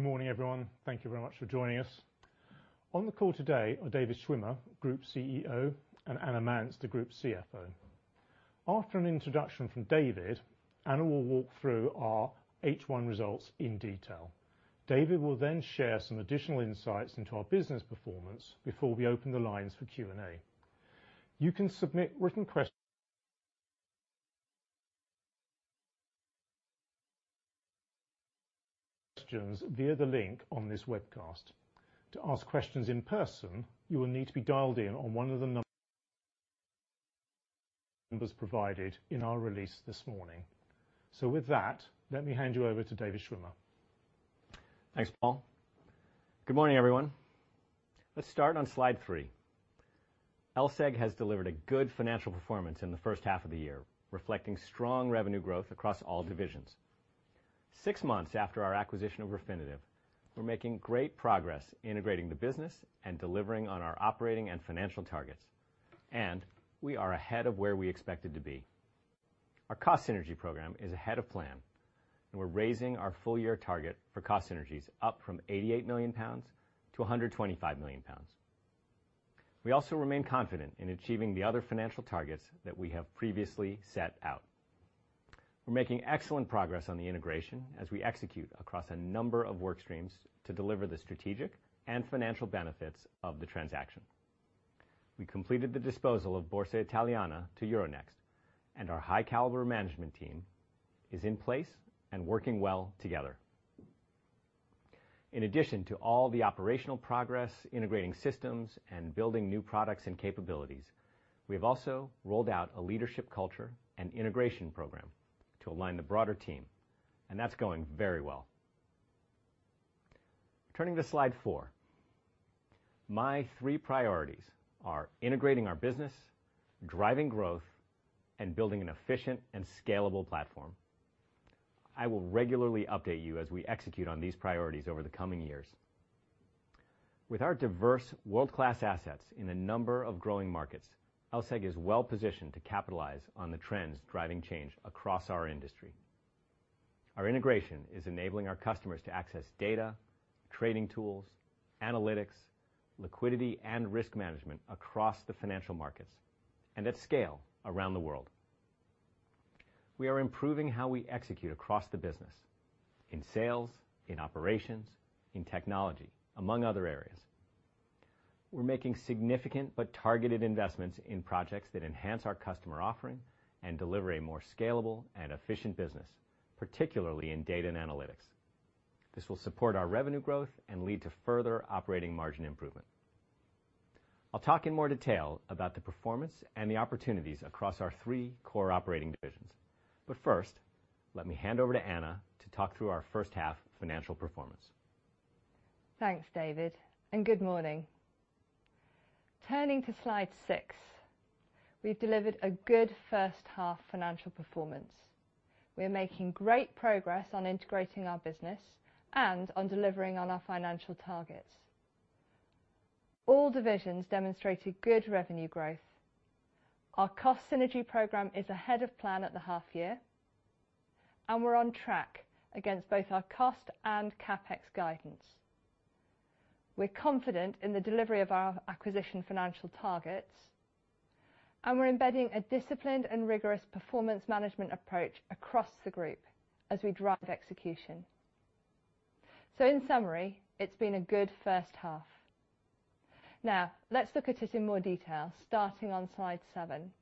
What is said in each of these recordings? Good morning, everyone. Thank you very much for joining us. On the call today are David Schwimmer, Group CEO, and Anna Manz, the Group CFO. After an introduction from David, Anna will walk through our H1 results in detail. David will then share some additional insights into our business performance before we open the lines for Q&A. You can submit written questions via the link on this webcast. To ask questions in person, you will need to be dialed in on one of the numbers provided in our release this morning. With that, let me hand you over to David Schwimmer. Thanks, Paul. Good morning, everyone. Let's start on slide three. LSEG has delivered a good financial performance in the first half of the year, reflecting strong revenue growth across all divisions. Six months after our acquisition of Refinitiv, we're making great progress integrating the business and delivering on our operating and financial targets. We are ahead of where we expected to be. Our cost synergy program is ahead of plan, and we're raising our full-year target for cost synergies up from 88 million-125 million pounds. We also remain confident in achieving the other financial targets that we have previously set out. We're making excellent progress on the integration as we execute across a number of workstreams to deliver the strategic and financial benefits of the transaction. We completed the disposal of Borsa Italiana to Euronext Group, and our high-caliber management team is in place and working well together. In addition to all the operational progress, integrating systems, and building new products and capabilities, we have also rolled out a leadership culture and integration program to align the broader team, and that's going very well. Turning to slide four. My three priorities are integrating our business, driving growth, and building an efficient and scalable platform. I will regularly update you as we execute on these priorities over the coming years. With our diverse world-class assets in a number of growing markets, LSEG is well-positioned to capitalize on the trends driving change across our industry. Our integration is enabling our customers to access data, trading tools, analytics, liquidity, and risk management across the financial markets, and at scale around the world. We are improving how we execute across the business in sales, in operations, in technology, among other areas. We're making significant but targeted investments in projects that enhance our customer offering and deliver a more scalable and efficient business, particularly in Data & Analytics. This will support our revenue growth and lead to further operating margin improvement. I'll talk in more detail about the performance and the opportunities across our three core operating divisions, but first, let me hand over to Anna to talk through our first half financial performance. Thanks, David. Good morning. Turning to slide six, we've delivered a good first half financial performance. We are making great progress on integrating our business and on delivering on our financial targets. All divisions demonstrated good revenue growth. Our cost synergy program is ahead of plan at the half year, and we're on track against both our cost and CapEx guidance. We're confident in the delivery of our acquisition financial targets, and we're embedding a disciplined and rigorous performance management approach across the group as we drive execution. In summary, it's been a good first half. Let's look at it in more detail, starting on slide seven.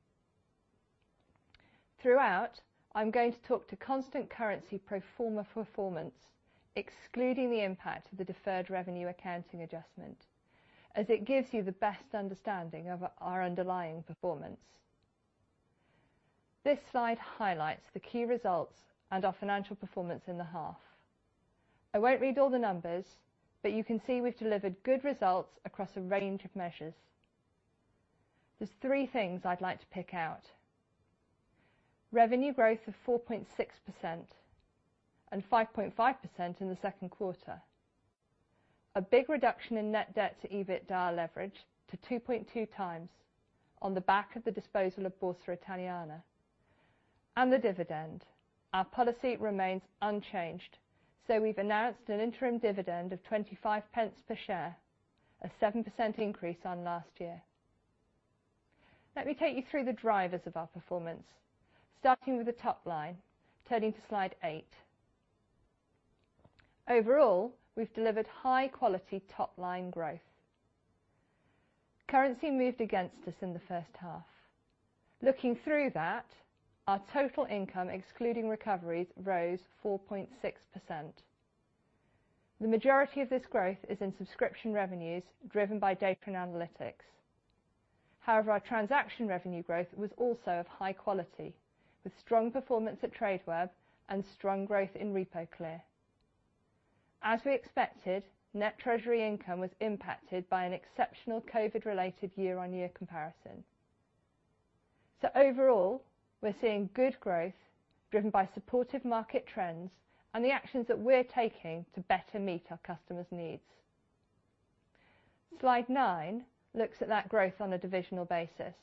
Throughout, I'm going to talk to constant currency pro forma performance, excluding the impact of the deferred revenue accounting adjustment, as it gives you the best understanding of our underlying performance. This slide highlights the key results and our financial performance in the half. I won't read all the numbers, but you can see we've delivered good results across a range of measures. There's three things I'd like to pick out. Revenue growth of 4.6% and 5.5% in the second quarter. A big reduction in net debt-to-EBITDA leverage to 2.2x on the back of the disposal of Borsa Italiana and the dividend. Our policy remains unchanged, we've announced an interim dividend of 0.25 per share, a 7% increase on last year. Let me take you through the drivers of our performance, starting with the top line, turning to slide eight. Overall, we've delivered high-quality top-line growth. Currency moved against us in the first half. Looking through that, our total income, excluding recoveries, rose 4.6%. The majority of this growth is in subscription revenues driven by Data & Analytics. Our transaction revenue growth was also of high quality, with strong performance at Tradeweb and strong growth in RepoClear. As we expected, Net Treasury Income was impacted by an exceptional COVID-related year-over-year comparison. Overall, we're seeing good growth driven by supportive market trends and the actions that we're taking to better meet our customers' needs. Slide nine looks at that growth on a divisional basis.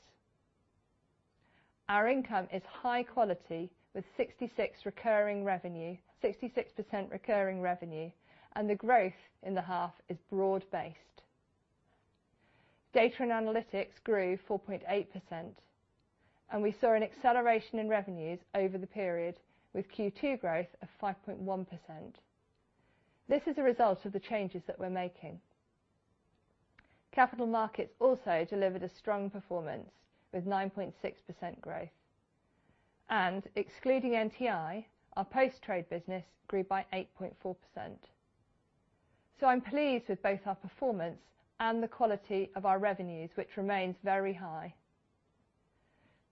Our income is high quality, with 66% recurring revenue, the growth in the half is broad-based. Data & Analytics grew 4.8%, we saw an acceleration in revenues over the period, with Q2 growth of 5.1%. This is a result of the changes that we're making. Capital markets also delivered a strong performance with 9.6% growth, excluding NTI, our post-trade business grew by 8.4%. I'm pleased with both our performance and the quality of our revenues, which remains very high.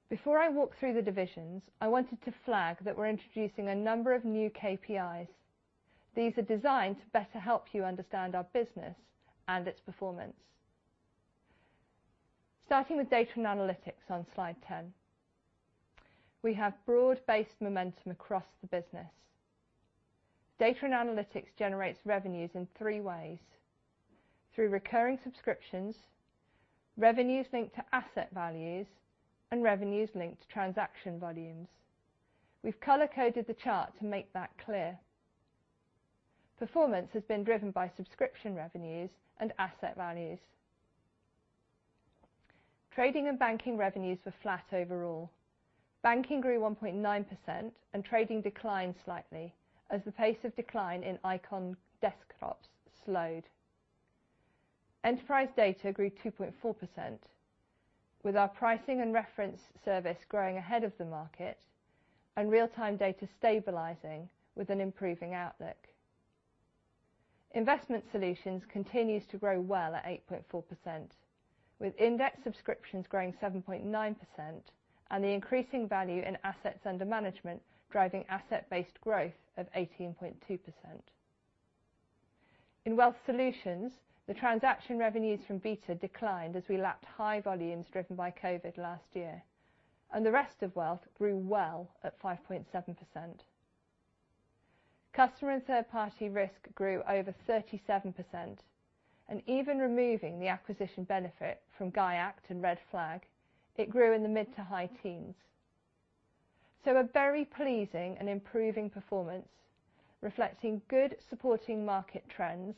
Before I walk through the divisions, I wanted to flag that we're introducing a number of new KPIs. These are designed to better help you understand our business and its performance. Starting with Data & Analytics on Slide 10. We have broad-based momentum across the business. Data & Analytics generates revenues in three ways: through recurring subscriptions, revenues linked to asset values, and revenues linked to transaction volumes. We've color-coded the chart to make that clear. Performance has been driven by subscription revenues and asset values. Trading and banking revenues were flat overall. Banking grew 1.9% and trading declined slightly as the pace of decline in Eikon desktops slowed. Enterprise data grew 2.4%, with our pricing and reference service growing ahead of the market, and real-time data stabilizing with an improving outlook. Investment solutions continues to grow well at 8.4%, with index subscriptions growing 7.9% and the increasing value in assets under management driving asset-based growth of 18.2%. In wealth solutions, the transaction revenues from BETA declined as we lapped high volumes driven by COVID last year, and the rest of wealth grew well at 5.7%. Customer and third-party risk grew over 37%, and even removing the acquisition benefit from GIACT and Red Flag, it grew in the mid to high teens. A very pleasing and improving performance, reflecting good supporting market trends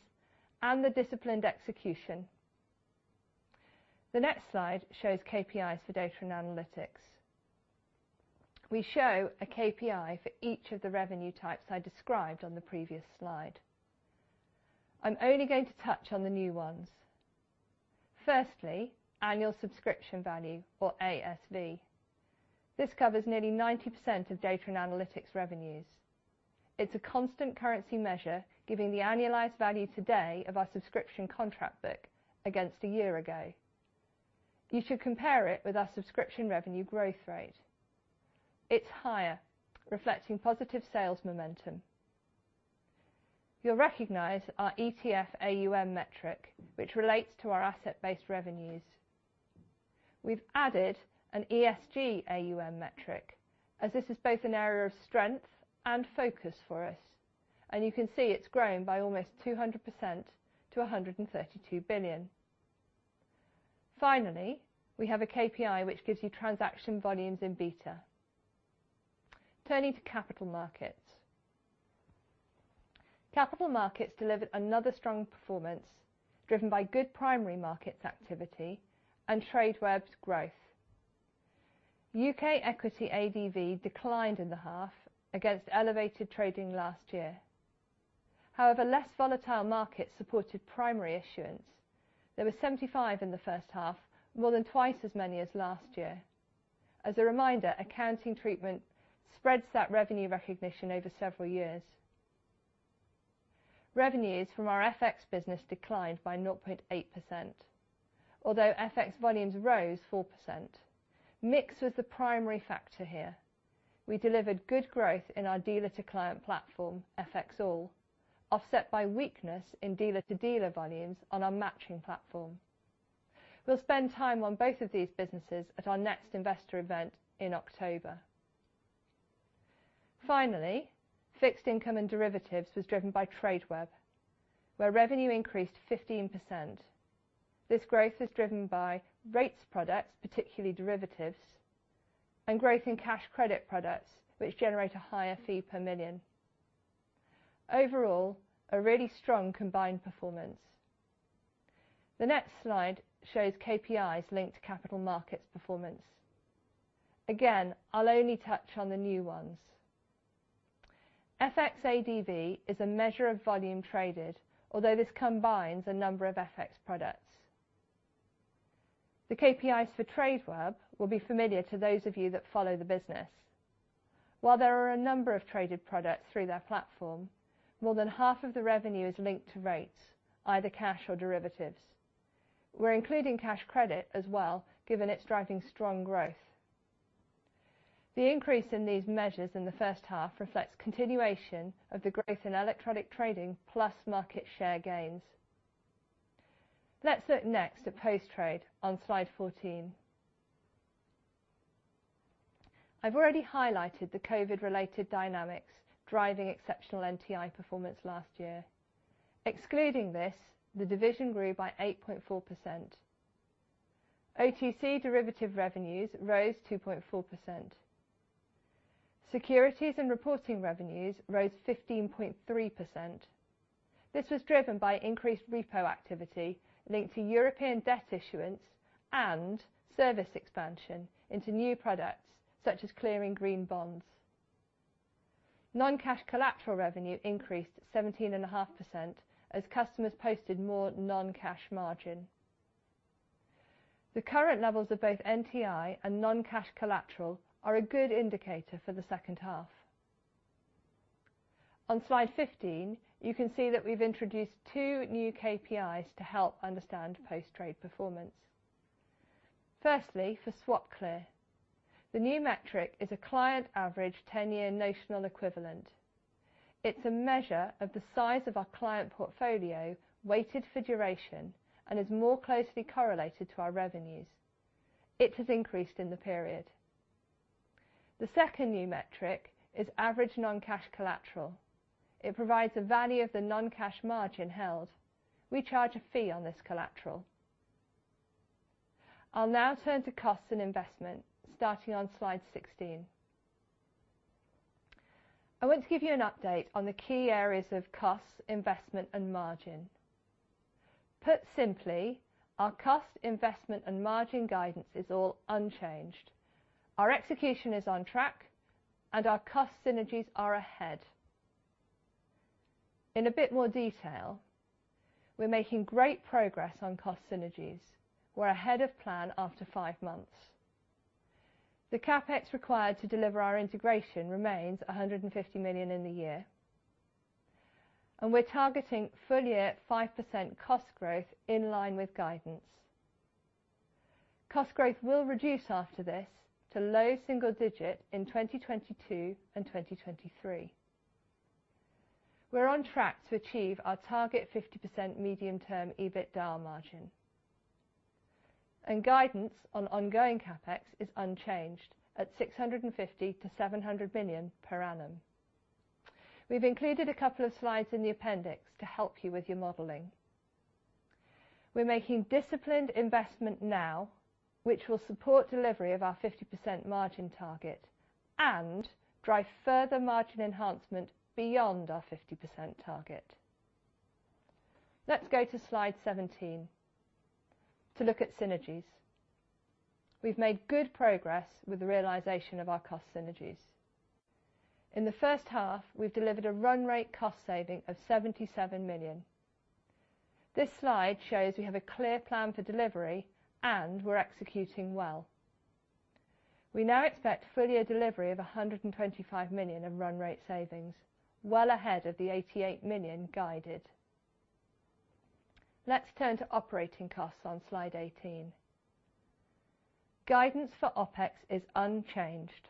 and the disciplined execution. The next slide shows KPIs for Data & Analytics. We show a KPI for each of the revenue types I described on the previous slide. I'm only going to touch on the new ones. Firstly, Annual Subscription Value, or ASV. This covers nearly 90% of Data & Analytics revenues. It's a constant currency measure giving the annualized value today of our subscription contract book against a year ago. You should compare it with our subscription revenue growth rate. It's higher, reflecting positive sales momentum. You'll recognize our ETF AUM metric, which relates to our asset-based revenues. We've added an ESG AUM metric, as this is both an area of strength and focus for us, and you can see it's grown by almost 200% to 132 billion. Finally, we have a KPI which gives you transaction volumes in BETA. Turning to Capital markets. Capital markets delivered another strong performance, driven by good primary markets activity and Tradeweb's growth. U.K. equity ADV declined in the half against elevated trading last year. However, less volatile markets supported primary issuance. There were 75 in the first half, more than twice as many as last year. As a reminder, accounting treatment spreads that revenue recognition over several years. Revenues from our FX business declined by 0.8%. Although FX volumes rose 4%, mix was the primary factor here. We delivered good growth in our dealer-to-client platform, FXall, offset by weakness in dealer-to-dealer volumes on our Matching platform. We'll spend time on both of these businesses at our next investor event in October. Finally, fixed income and derivatives was driven by Tradeweb, where revenue increased 15%. This growth is driven by rates products, particularly derivatives, and growth in cash credit products, which generate a higher fee per million. Overall, a really strong combined performance. The next slide shows KPIs linked to capital markets performance. Again, I'll only touch on the new ones. FX ADV is a measure of volume traded, although this combines a number of FX products. The KPIs for Tradeweb will be familiar to those of you that follow the business. While there are a number of traded products through their platform, more than half of the revenue is linked to rates, either cash or derivatives. We are including cash credit as well, given it is driving strong growth. The increase in these measures in the first half reflects continuation of the growth in electronic trading plus market share gains. Let us look next at post-trade on slide 14. I have already highlighted the COVID-related dynamics driving exceptional NTI performance last year. Excluding this, the division grew by 8.4%. OTC derivative revenues rose 2.4%. Securities and reporting revenues rose 15.3%. This was driven by increased repo activity linked to European debt issuance and service expansion into new products, such as clearing green bonds. Non-cash collateral revenue increased 17.5% as customers posted more non-cash margin. The current levels of both NTI and non-cash collateral are a good indicator for the second half. On slide 15, you can see that we've introduced two new KPIs to help understand post-trade performance. Firstly, for SwapClear. The new metric is a client average 10-year notional equivalent. It's a measure of the size of our client portfolio, weighted for duration, and is more closely correlated to our revenues. It has increased in the period. The second new metric is average non-cash collateral. It provides a value of the non-cash margin held. We charge a fee on this collateral. I'll now turn to costs and investment, starting on slide 16. I want to give you an update on the key areas of costs, investment, and margin. Put simply, our cost, investment, and margin guidance is all unchanged. Our execution is on track, and our cost synergies are ahead. In a bit more detail, we're making great progress on cost synergies. We're ahead of plan after five months. The CapEx required to deliver our integration remains 150 million in the year, and we're targeting full-year 5% cost growth in line with guidance. Cost growth will reduce after this to low-single digit in 2022 and 2023. We're on track to achieve our target 50% medium-term EBITDA margin. Guidance on ongoing CapEx is unchanged at 650 million-700 million per annum. We've included a couple of slides in the appendix to help you with your modeling. We're making disciplined investment now, which will support delivery of our 50% margin target and drive further margin enhancement beyond our 50% target. Let's go to slide 17 to look at synergies. We've made good progress with the realization of our cost synergies. In the first half, we've delivered a run rate cost saving of 77 million. This slide shows we have a clear plan for delivery, and we're executing well. We now expect full-year delivery of 125 million of run rate savings, well ahead of the 88 million guided. Let's turn to operating costs on slide 18. Guidance for OpEx is unchanged.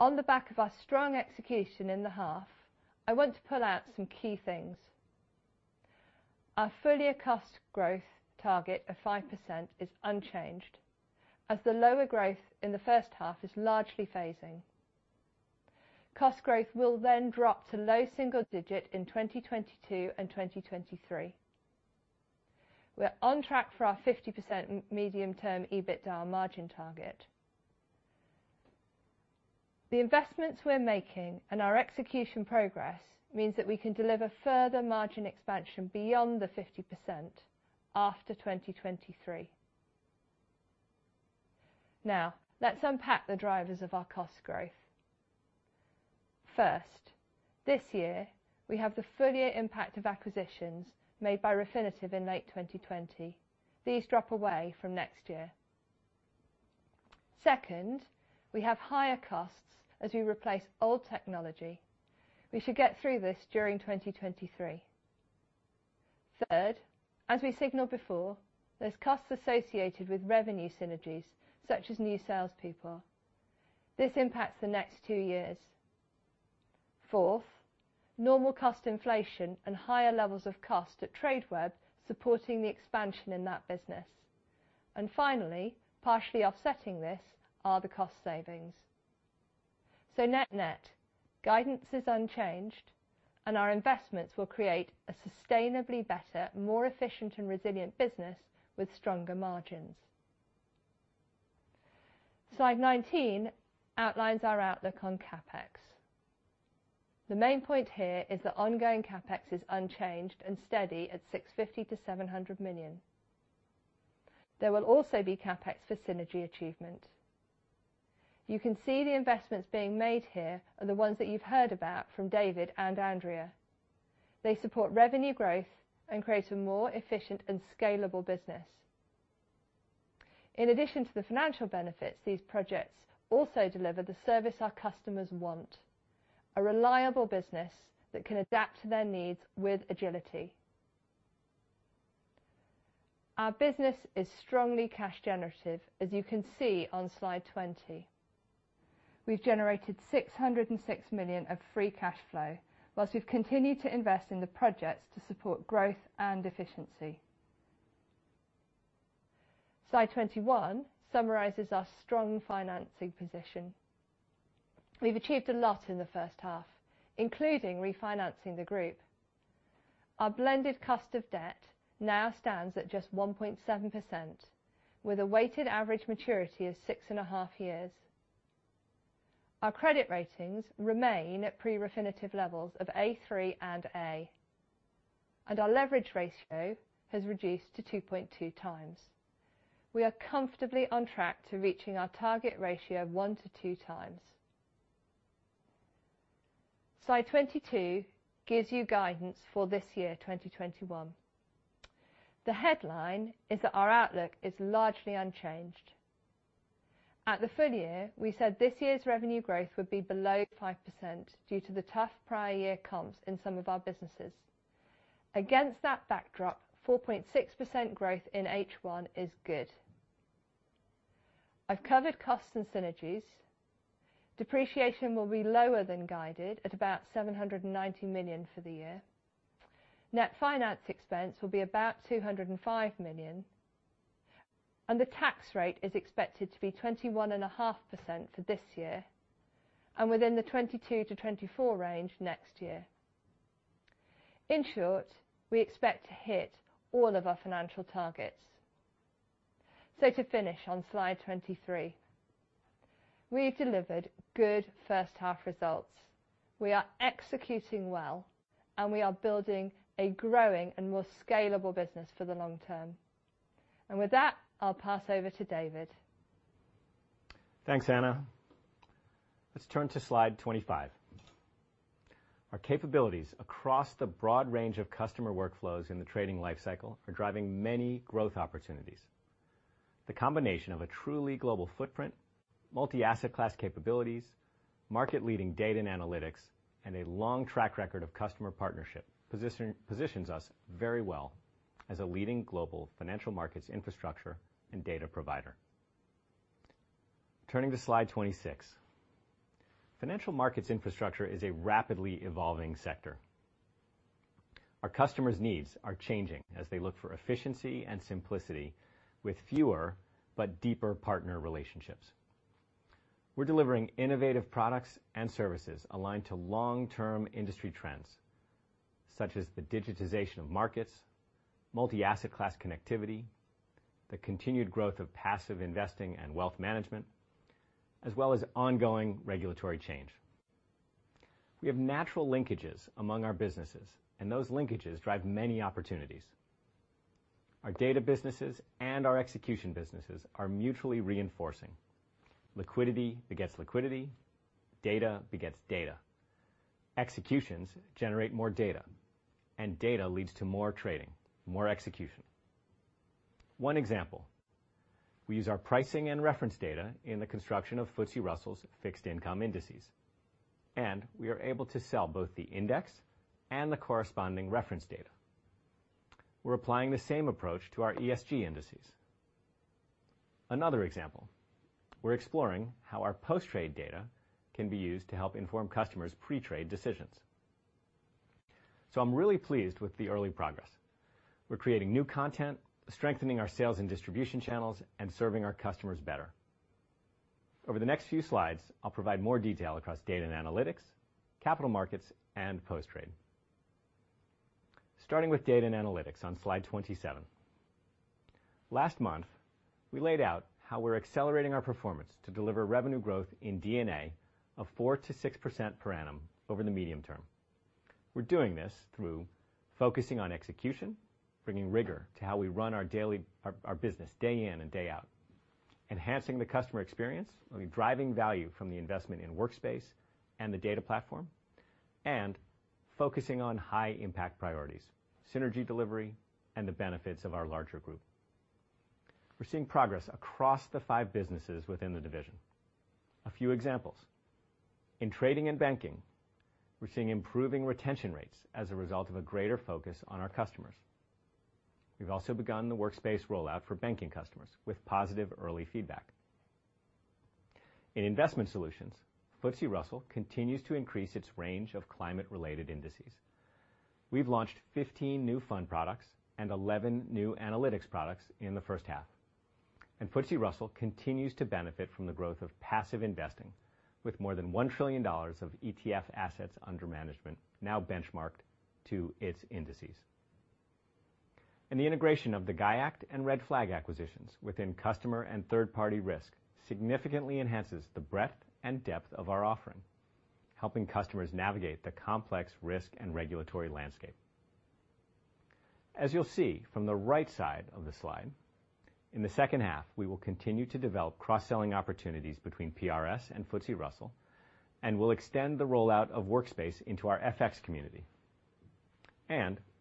On the back of our strong execution in the half, I want to pull out some key things. Our full-year cost growth target of 5% is unchanged, as the lower growth in the first half is largely phasing. Cost growth will drop to low-single digit in 2022 and 2023. We're on track for our 50% medium-term EBITDA margin target. The investments we're making and our execution progress means that we can deliver further margin expansion beyond the 50% after 2023. Let's unpack the drivers of our cost growth. First, this year, we have the full-year impact of acquisitions made by Refinitiv in late 2020. These drop away from next year. Second, we have higher costs as we replace old technology. We should get through this during 2023. Third, as we signaled before, there's costs associated with revenue synergies, such as new salespeople. This impacts the next two years. Fourth, normal cost inflation and higher levels of cost at Tradeweb supporting the expansion in that business. Finally, partially offsetting this are the cost savings. Net-net, guidance is unchanged, and our investments will create a sustainably better, more efficient, and resilient business with stronger margins. Slide 19 outlines our outlook on CapEx. The main point here is that ongoing CapEx is unchanged and steady at 650 million-700 million. There will also be CapEx for synergy achievement. You can see the investments being made here are the ones that you've heard about from David and Andrea. They support revenue growth and create a more efficient and scalable business. In addition to the financial benefits, these projects also deliver the service our customers want, a reliable business that can adapt to their needs with agility. Our business is strongly cash generative, as you can see on slide 20. We've generated 606 million of free cash flow whilst we've continued to invest in the projects to support growth and efficiency. Slide 21 summarizes our strong financing position. We've achieved a lot in the first half, including refinancing the group. Our blended cost of debt now stands at just 1.7%, with a weighted average maturity of six and a half years. Our credit ratings remain at pre-Refinitiv levels of A3 and A. Our leverage ratio has reduced to 2.2x. We are comfortably on track to reaching our target ratio of 1x-2x. Slide 22 gives you guidance for this year, 2021. The headline is that our outlook is largely unchanged. At the full year, we said this year's revenue growth would be below 5% due to the tough prior year comps in some of our businesses. Against that backdrop, 4.6% growth in H1 is good. I've covered costs and synergies. Depreciation will be lower than guided at about 790 million for the year. Net finance expense will be about 205 million. The tax rate is expected to be 21.5% for this year, and within the 22%-24% range next year. In short, we expect to hit all of our financial targets. To finish on slide 23, we've delivered good first half results. We are executing well, and we are building a growing and more scalable business for the long term. With that, I'll pass over to David. Thanks, Anna. Let's turn to slide 25. Our capabilities across the broad range of customer workflows in the trading life cycle are driving many growth opportunities. The combination of a truly global footprint, multi-asset class capabilities, market-leading Data & Analytics, and a long track record of customer partnership positions us very well as a leading global financial markets infrastructure and data provider. Turning to slide 26. Financial markets infrastructure is a rapidly evolving sector. Our customers' needs are changing as they look for efficiency and simplicity with fewer but deeper partner relationships. We're delivering innovative products and services aligned to long-term industry trends, such as the digitization of markets, multi-asset class connectivity, the continued growth of passive investing and wealth management, as well as ongoing regulatory change. We have natural linkages among our businesses, and those linkages drive many opportunities. Our data businesses and our execution businesses are mutually reinforcing. Liquidity begets liquidity. Data begets data. Executions generate more data, and data leads to more trading, more execution. One example, we use our pricing and reference data in the construction of FTSE Russell's fixed income indices, and we are able to sell both the index and the corresponding reference data. We're applying the same approach to our ESG indices. Another example, we're exploring how our Post-Trade data can be used to help inform customers' pre-trade decisions. I'm really pleased with the early progress. We're creating new content, strengthening our sales and distribution channels, and serving our customers better. Over the next few slides, I'll provide more detail across Data & Analytics, Capital Markets, and Post-Trade. Starting with Data & Analytics on slide 27. Last month, we laid out how we're accelerating our performance to deliver revenue growth in D&A of 4%-6% per annum over the medium term. We're doing this through focusing on execution, bringing rigor to how we run our business day in and day out, enhancing the customer experience, driving value from the investment in Workspace and the data platform, and focusing on high-impact priorities, synergy delivery, and the benefits of our larger group. We're seeing progress across the five businesses within the division. A few examples. In trading and banking, we're seeing improving retention rates as a result of a greater focus on our customers. We've also begun the Workspace rollout for banking customers with positive early feedback. In investment solutions, FTSE Russell continues to increase its range of climate-related indices. We've launched 15 new fund products and 11 new analytics products in the first half. FTSE Russell continues to benefit from the growth of passive investing with more than GBP 1 trillion of ETF assets under management now benchmarked to its indices. In the integration of the GIACT and Red Flag acquisitions within customer and third-party risk significantly enhances the breadth and depth of our offering, helping customers navigate the complex risk and regulatory landscape. As you'll see from the right side of the slide, in the second half, we will continue to develop cross-selling opportunities between PRS and FTSE Russell. We'll extend the rollout of Workspace into our FX community.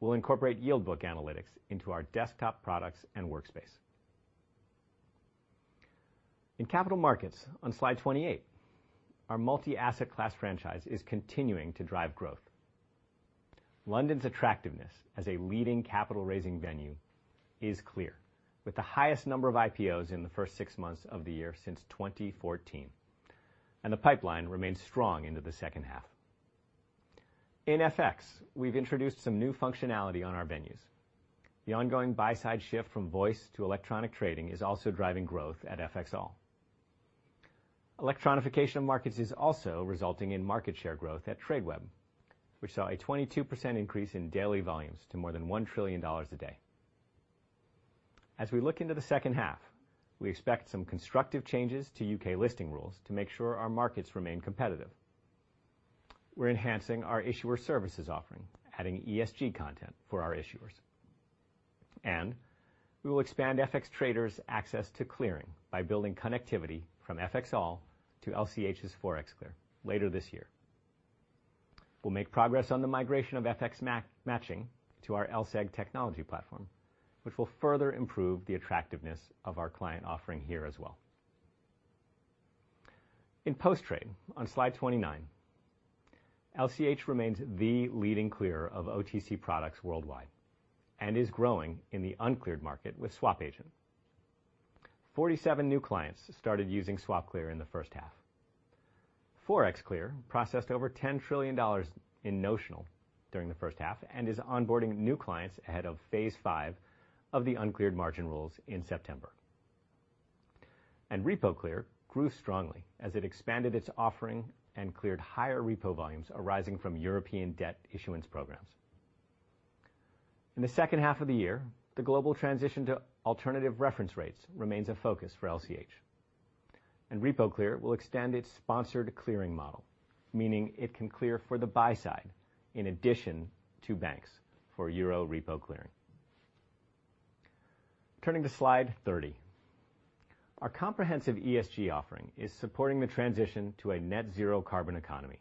We'll incorporate Yield Book analytics into our desktop products and Workspace. In capital markets on slide 28. Our multi-asset class franchise is continuing to drive growth. London's attractiveness as a leading capital-raising venue is clear, with the highest number of IPOs in the first six months of the year since 2014, and the pipeline remains strong into the second half. In FX, we've introduced some new functionality on our venues. The ongoing buy-side shift from voice to electronic trading is also driving growth at FXall. Electronification of markets is also resulting in market share growth at Tradeweb, which saw a 22% increase in daily volumes to more than $1 trillion a day. As we look into the second half, we expect some constructive changes to U.K. listing rules to make sure our markets remain competitive. We are enhancing our issuer services offering, adding ESG content for our issuers. We will expand FX traders' access to clearing by building connectivity from FXall to LCH's ForexClear later this year. We will make progress on the migration of FX Matching to our LSEG technology platform, which will further improve the attractiveness of our client offering here as well. In post-trade, on slide 29, LCH remains the leading clearer of OTC products worldwide and is growing in the uncleared market with SwapAgent. 47 new clients started using SwapClear in the first half. ForexClear processed over $10 trillion in notional during the first half and is onboarding new clients ahead of Phase 5 of the uncleared margin rules in September. RepoClear grew strongly as it expanded its offering and cleared higher repo volumes arising from European debt issuance programs. In the second half of the year, the global transition to alternative reference rates remains a focus for LCH. RepoClear will extend its sponsored clearing model, meaning it can clear for the buy side in addition to banks for euro repo clearing. Turning to slide 30. Our comprehensive ESG offering is supporting the transition to a net zero carbon economy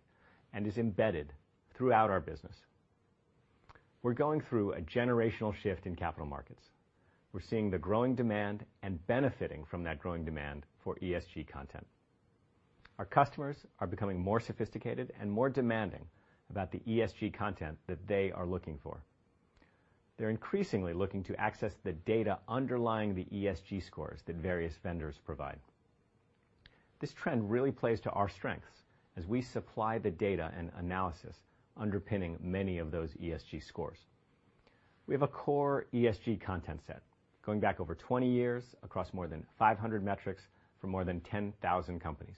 and is embedded throughout our business. We're going through a generational shift in capital markets. We're seeing the growing demand and benefiting from that growing demand for ESG content. Our customers are becoming more sophisticated and more demanding about the ESG content that they are looking for. They are increasingly looking to access the data underlying the ESG scores that various vendors provide. This trend really plays to our strengths as we supply the data and analysis underpinning many of those ESG scores. We have a core ESG content set going back over 20 years across more than 500 metrics for more than 10,000 companies.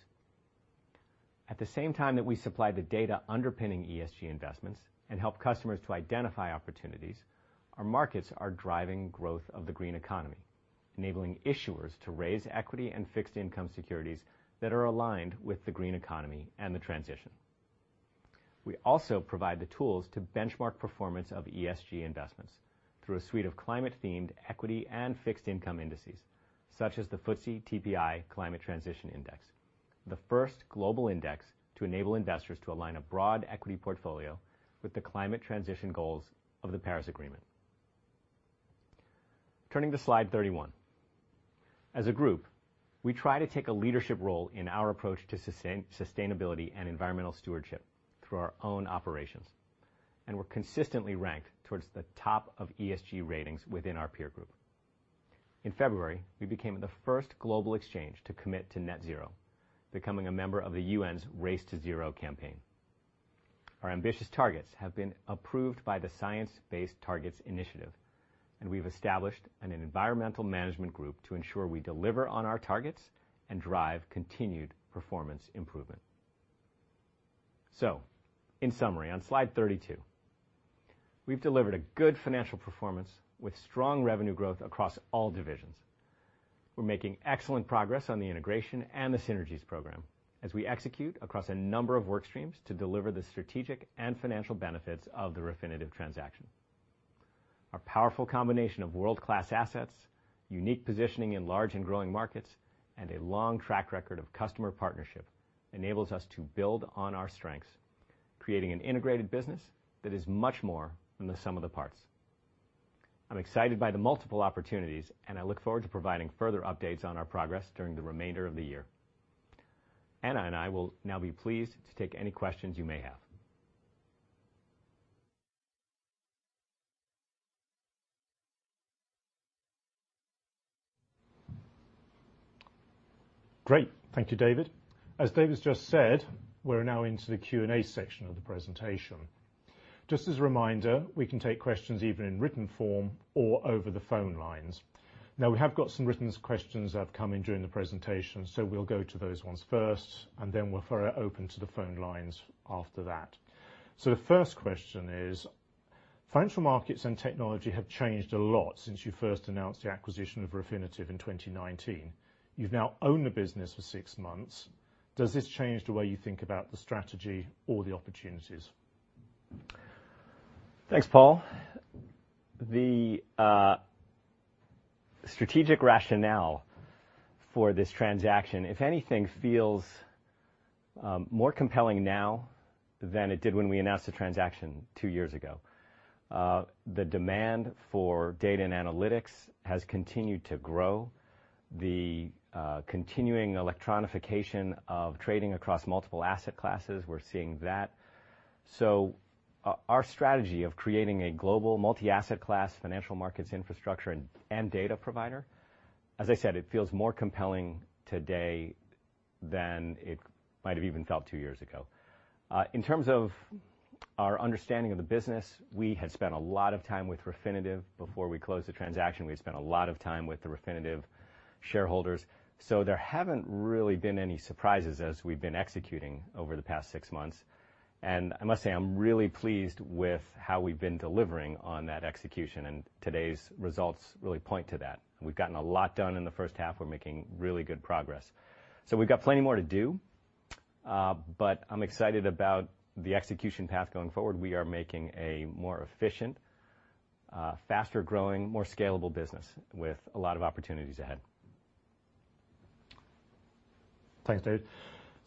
At the same time that we supply the data underpinning ESG investments and help customers to identify opportunities, our markets are driving growth of the green economy, enabling issuers to raise equity and fixed income securities that are aligned with the green economy and the transition. We also provide the tools to benchmark performance of ESG investments through a suite of climate-themed equity and fixed income indices, such as the FTSE TPI Climate Transition Index, the first global index to enable investors to align a broad equity portfolio with the climate transition goals of the Paris Agreement. Turning to slide 31. As a group, we try to take a leadership role in our approach to sustainability and environmental stewardship through our own operations, and we're consistently ranked towards the top of ESG ratings within our peer group. In February, we became the first global exchange to commit to net zero, becoming a member of the UN's Race to Zero campaign. Our ambitious targets have been approved by the Science Based Targets initiative, and we've established an environmental management group to ensure we deliver on our targets and drive continued performance improvement. In summary, on slide 32, we've delivered a good financial performance with strong revenue growth across all divisions. We're making excellent progress on the integration and the synergies program as we execute across a number of work streams to deliver the strategic and financial benefits of the Refinitiv transaction. Our powerful combination of world-class assets, unique positioning in large and growing markets, and a long track record of customer partnership enables us to build on our strengths, creating an integrated business that is much more than the sum of the parts. I'm excited by the multiple opportunities, and I look forward to providing further updates on our progress during the remainder of the year. Anna and I will now be pleased to take any questions you may have. Great. Thank you, David. As David's just said, we're now into the Q&A section of the presentation. Just as a reminder, we can take questions either in written form or over the phone lines. We have got some written questions that have come in during the presentation. We'll go to those ones first. We'll open to the phone lines after that. The first question is: Financial markets and technology have changed a lot since you first announced the acquisition of Refinitiv in 2019. You've now owned the business for six months. Does this change the way you think about the strategy or the opportunities? Thanks, Paul. The strategic rationale for this transaction, if anything, feels more compelling now than it did when we announced the transaction two years ago. The demand for Data & Analytics has continued to grow. The continuing electronification of trading across multiple asset classes, we're seeing that. Our strategy of creating a global multi-asset class financial markets infrastructure and data provider, as I said, it feels more compelling today than it might have even felt two years ago. In terms of our understanding of the business, we had spent a lot of time with Refinitiv before we closed the transaction. We had spent a lot of time with the Refinitiv shareholders. There haven't really been any surprises as we've been executing over the past six months, and I must say, I'm really pleased with how we've been delivering on that execution. Today's results really point to that. We've gotten a lot done in the first half. We're making really good progress. We've got plenty more to do, but I'm excited about the execution path going forward. We are making a more efficient, faster-growing, more scalable business with a lot of opportunities ahead. Thanks, David.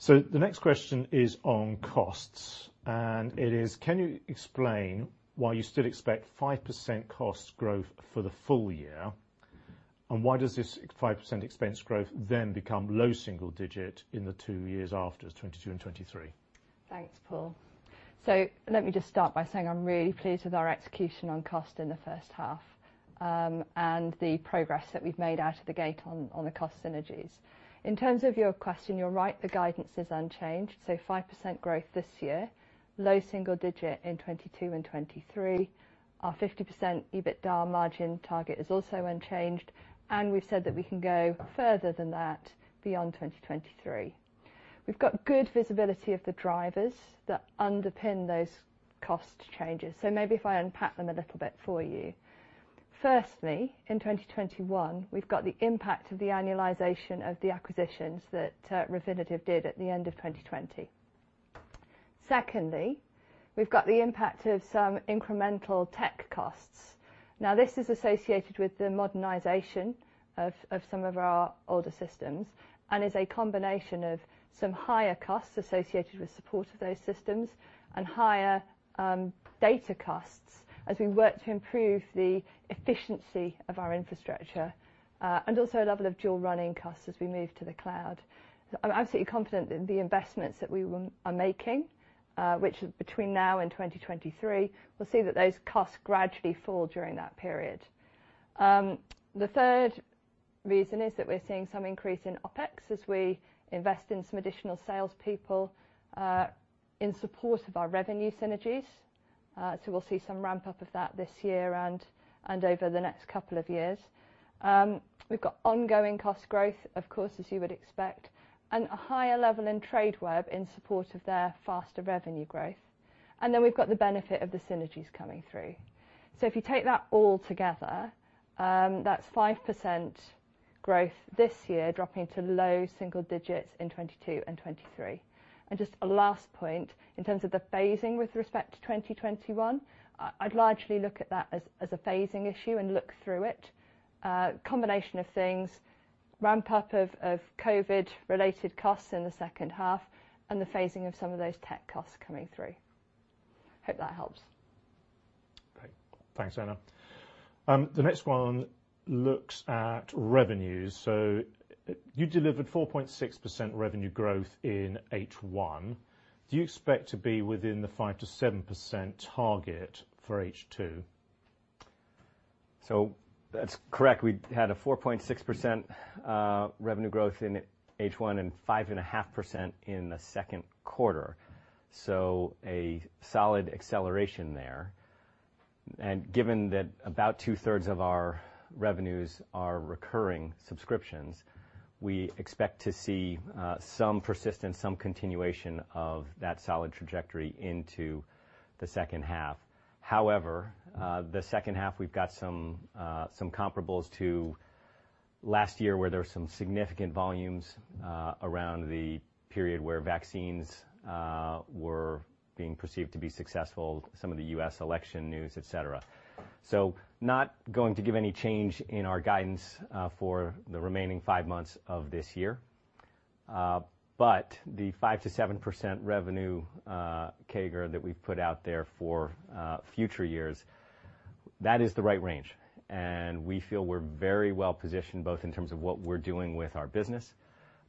The next question is on costs, and it is, can you explain why you still expect 5% cost growth for the full year? Why does this 5% expense growth then become low-single digit in the two years after, 2022 and 2023? Thanks, Paul. Let me just start by saying I'm really pleased with our execution on cost in the first half, and the progress that we've made out of the gate on the cost synergies. In terms of your question, you're right, the guidance is unchanged, 5% growth this year, low-single digit in 2022 and 2023. Our 50% EBITDA margin target is also unchanged, and we've said that we can go further than that beyond 2023. We've got good visibility of the drivers that underpin those cost changes, so maybe if I unpack them a little bit for you. Firstly, in 2021, we've got the impact of the annualization of the acquisitions that Refinitiv did at the end of 2020. Secondly, we've got the impact of some incremental tech costs. This is associated with the modernization of some of our older systems and is a combination of some higher costs associated with support of those systems and higher data costs as we work to improve the efficiency of our infrastructure, and also a level of dual running costs as we move to the cloud. I'm absolutely confident that the investments that we are making, which between now and 2023, we'll see that those costs gradually fall during that period. The third reason is that we're seeing some increase in OpEx as we invest in some additional salespeople in support of our revenue synergies. We'll see some ramp-up of that this year and over the next couple of years. We've got ongoing cost growth, of course, as you would expect, and a higher level in Tradeweb in support of their faster revenue growth. We've got the benefit of the synergies coming through. If you take that all together, that's 5% growth this year, dropping to low-single digits in 2022 and 2023. Just a last point, in terms of the phasing with respect to 2021, I'd largely look at that as a phasing issue and look through it. Combination of things, ramp-up of COVID-related costs in the second half, and the phasing of some of those tech costs coming through. Hope that helps. Great. Thanks, Anna. The next one looks at revenues. You delivered 4.6% revenue growth in H1. Do you expect to be within the 5%-7% target for H2? That's correct. We had a 4.6% revenue growth in H1 and 5.5% in the second quarter, so a solid acceleration there. Given that about 2/3 of our revenues are recurring subscriptions, we expect to see some persistence, some continuation of that solid trajectory into the second half. However, the second half, we've got some comparables to last year, where there were some significant volumes around the period where vaccines were being perceived to be successful, some of the U.S. election news, et cetera. Not going to give any change in our guidance for the remaining five months of this year. The 5%-7% revenue CAGR that we've put out there for future years, that is the right range, and we feel we're very well-positioned, both in terms of what we're doing with our business,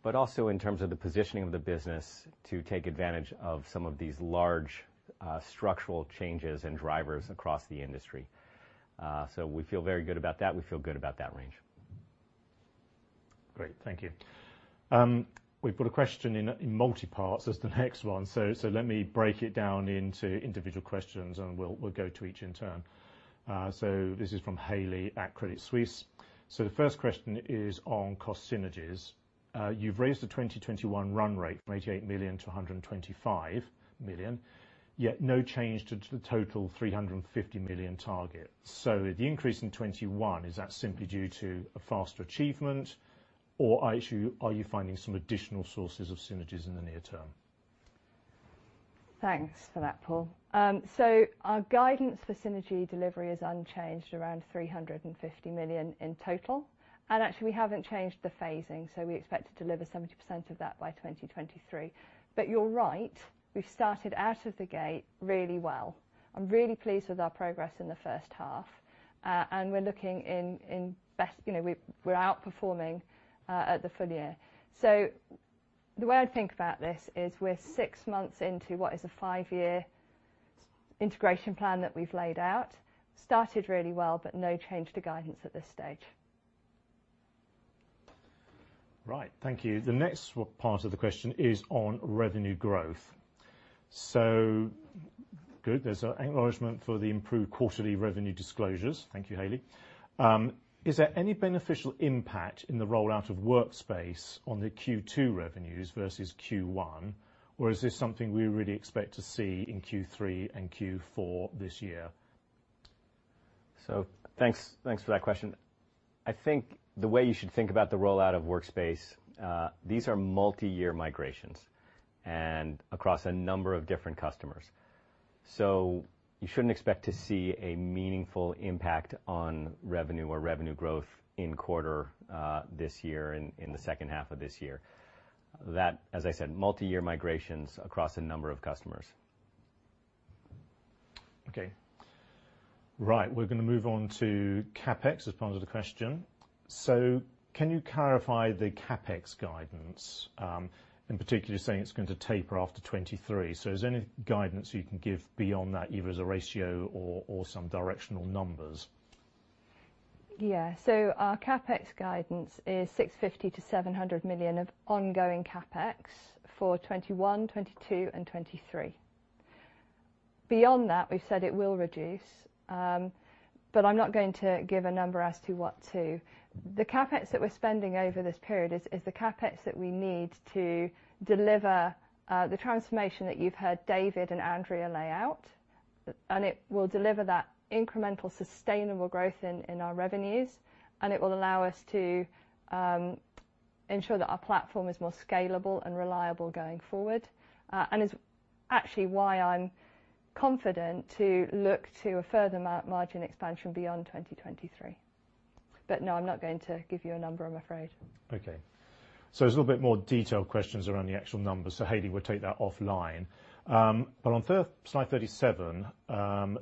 but also in terms of the positioning of the business to take advantage of some of these large structural changes and drivers across the industry. We feel very good about that. We feel good about that range. Great. Thank you. We've got a question in multipart as the next one. Let me break it down into individual questions, and we'll go to each in turn. This is from Haley at Credit Suisse. The first question is on cost synergies. You've raised the 2021 run rate from 88 million-125 million, yet no change to the total 350 million target. The increase in 2021, is that simply due to a faster achievement, or are you finding some additional sources of synergies in the near term? Thanks for that, Paul. Our guidance for synergy delivery is unchanged around 350 million in total, and actually, we haven't changed the phasing, so we expect to deliver 70% of that by 2023. You're right, we've started out of the gate really well. I'm really pleased with our progress in the first half. We're outperforming at the full year. The way I think about this is we're six months into what is a five-year integration plan that we've laid out. We started really well, no change to guidance at this stage. Right. Thank you. The next part of the question is on revenue growth. Good, there's an acknowledgement for the improved quarterly revenue disclosures. Thank you, Haley. Is there any beneficial impact in the rollout of Workspace on the Q2 revenues versus Q1? Is this something we really expect to see in Q3 and Q4 this year? Thanks for that question. I think the way you should think about the rollout of Workspace, these are multi-year migrations, and across a number of different customers. You shouldn't expect to see a meaningful impact on revenue or revenue growth in quarter this year, in the second half of this year. That, as I said, multi-year migrations across a number of customers. Okay. Right. We're going to move on to CapEx as part of the question. Can you clarify the CapEx guidance, in particular, you're saying it's going to taper after 2023. Is there any guidance you can give beyond that, either as a ratio or some directional numbers? Our CapEx guidance is 650 million-700 million of ongoing CapEx for 2021, 2022, and 2023. Beyond that, we've said it will reduce. I'm not going to give a number as to what to. The CapEx that we're spending over this period is the CapEx that we need to deliver the transformation that you've heard David and Andrea lay out, and it will deliver that incremental sustainable growth in our revenues, and it will allow us to ensure that our platform is more scalable and reliable going forward. It's actually why I'm confident to look to a further margin expansion beyond 2023. No, I'm not going to give you a number, I'm afraid. Okay. There's a little bit more detailed questions around the actual numbers, so Haley will take that offline. On slide 37,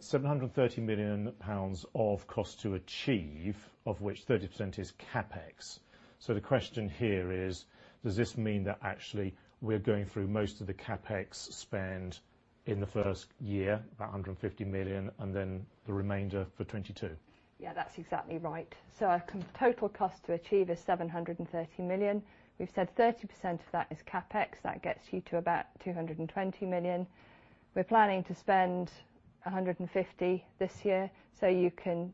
730 million pounds of cost to achieve, of which 30% is CapEx. The question here is, does this mean that actually we're going through most of the CapEx spend in the first year, about 150 million, and then the remainder for 2022? Yeah, that's exactly right. Our total cost to achieve is 730 million. We've said 30% of that is CapEx. That gets you to about 220 million. We're planning to spend 150 million this year. You can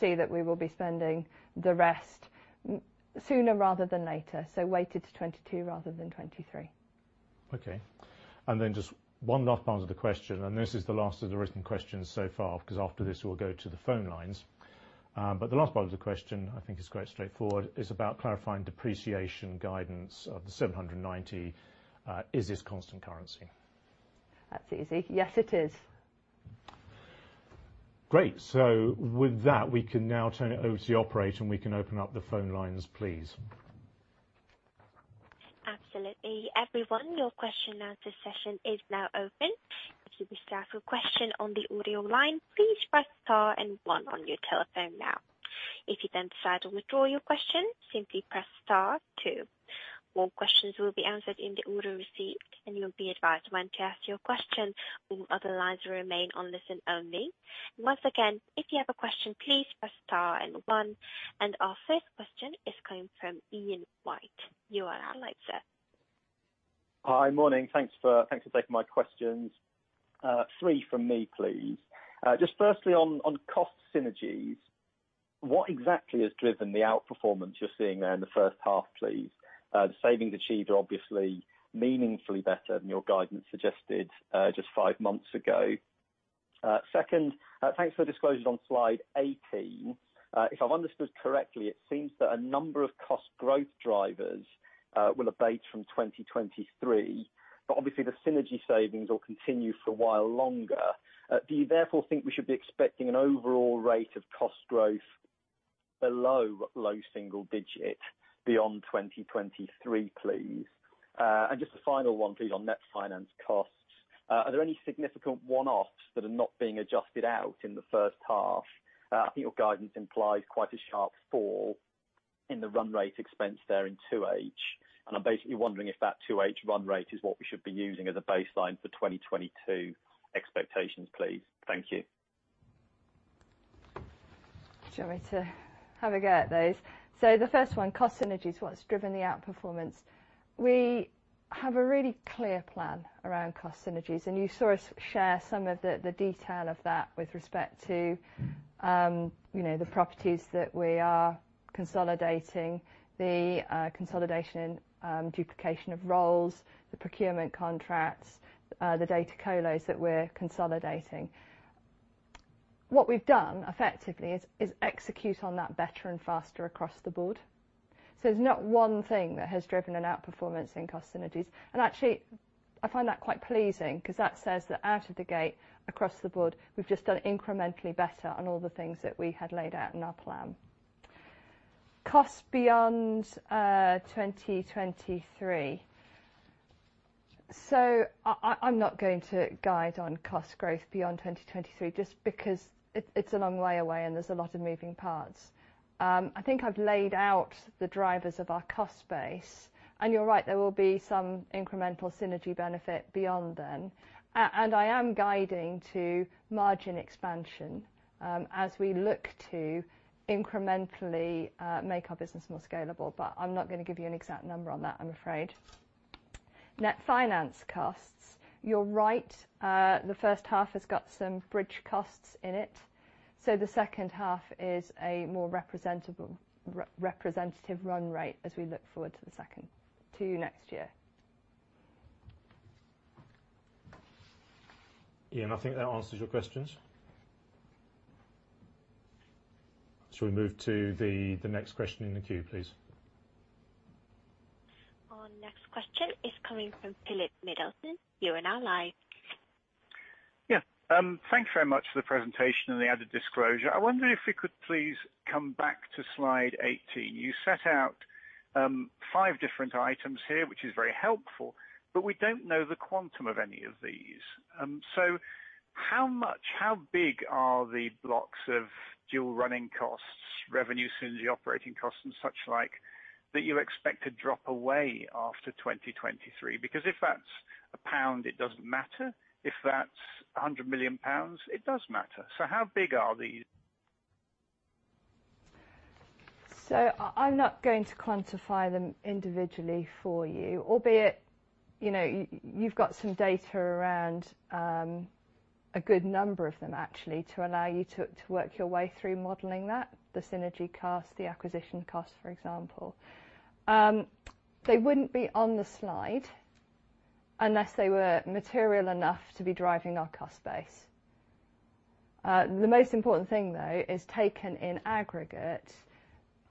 see that we will be spending the rest sooner rather than later. Weighted to 2022 rather than 2023. Okay. Just one last part of the question, this is the last of the written questions so far, because after this, we'll go to the phone lines. The last part of the question, I think it's quite straightforward, is about clarifying depreciation guidance of the 790 million. Is this constant currency? That's easy. Yes, it is. Great. With that, we can now turn it over to the operator, and we can open up the phone lines, please. Absolutely, everyone your question answer session is now open. To ask a question on the audio line, please press star and one on your telephone now. If you then decide to withdraw your question, simply press star two. More questions will be answered in the order receipt and you will be advised when to ask your question. All other lines remain on listen only. Once again if you have a question, please press star and one. Our first question is coming from Ian White. You are now live sir. Hi. Morning. Thanks for taking my questions. Three from me, please. Just firstly on cost synergies, what exactly has driven the outperformance you're seeing there in the first half, please? The savings achieved are obviously meaningfully better than your guidance suggested just five months ago. Second, thanks for the disclosures on slide 18. If I've understood correctly, it seems that a number of cost growth drivers will abate from 2023. Obviously the synergy savings will continue for a while longer. Do you therefore think we should be expecting an overall rate of cost growth below low-single digit beyond 2023, please? Just a final one, please, on net finance costs. Are there any significant one-offs that are not being adjusted out in the first half? I think your guidance implies quite a sharp fall in the run rate expense there in 2H. I'm basically wondering if that 2H run rate is what we should be using as a baseline for 2022 expectations, please. Thank you. Do you want me to have a go at those? The first one, cost synergies, what's driven the outperformance? We have a really clear plan around cost synergies, and you saw us share some of the detail of that with respect to the properties that we are consolidating, the consolidation duplication of roles, the procurement contracts, the data colos that we're consolidating. What we've done effectively is execute on that better and faster across the board. There's not one thing that has driven an outperformance in cost synergies. Actually, I find that quite pleasing because that says that out of the gate, across the board, we've just done incrementally better on all the things that we had laid out in our plan. Cost beyond 2023. I'm not going to guide on cost growth beyond 2023 just because it's a long way away and there's a lot of moving parts. I think I've laid out the drivers of our cost base, and you're right, there will be some incremental synergy benefit beyond then. I am guiding to margin expansion as we look to incrementally make our business more scalable. I'm not going to give you an exact number on that, I'm afraid. Net finance costs. You're right. The first half has got some bridge costs in it. The second half is a more representative run rate as we look forward to next year. Ian, I think that answers your questions. Shall we move to the next question in the queue, please? Our next question is coming from Philip Middleton. You are now live. Yeah. Thanks very much for the presentation and the added disclosure. I wonder if we could please come back to slide 18. You set out five different items here, which is very helpful, but we don't know the quantum of any of these. How much, how big are the blocks of dual running costs, revenue synergy, operating costs, and such like, that you expect to drop away after 2023? If that's GBP 1, it doesn't matter. If that's 100 million pounds, it does matter. How big are these? I'm not going to quantify them individually for you, albeit you've got some data around a good number of them actually, to allow you to work your way through modeling that, the synergy cost, the acquisition cost, for example. They wouldn't be on the slide unless they were material enough to be driving our cost base. The most important thing, though, is taken in aggregate,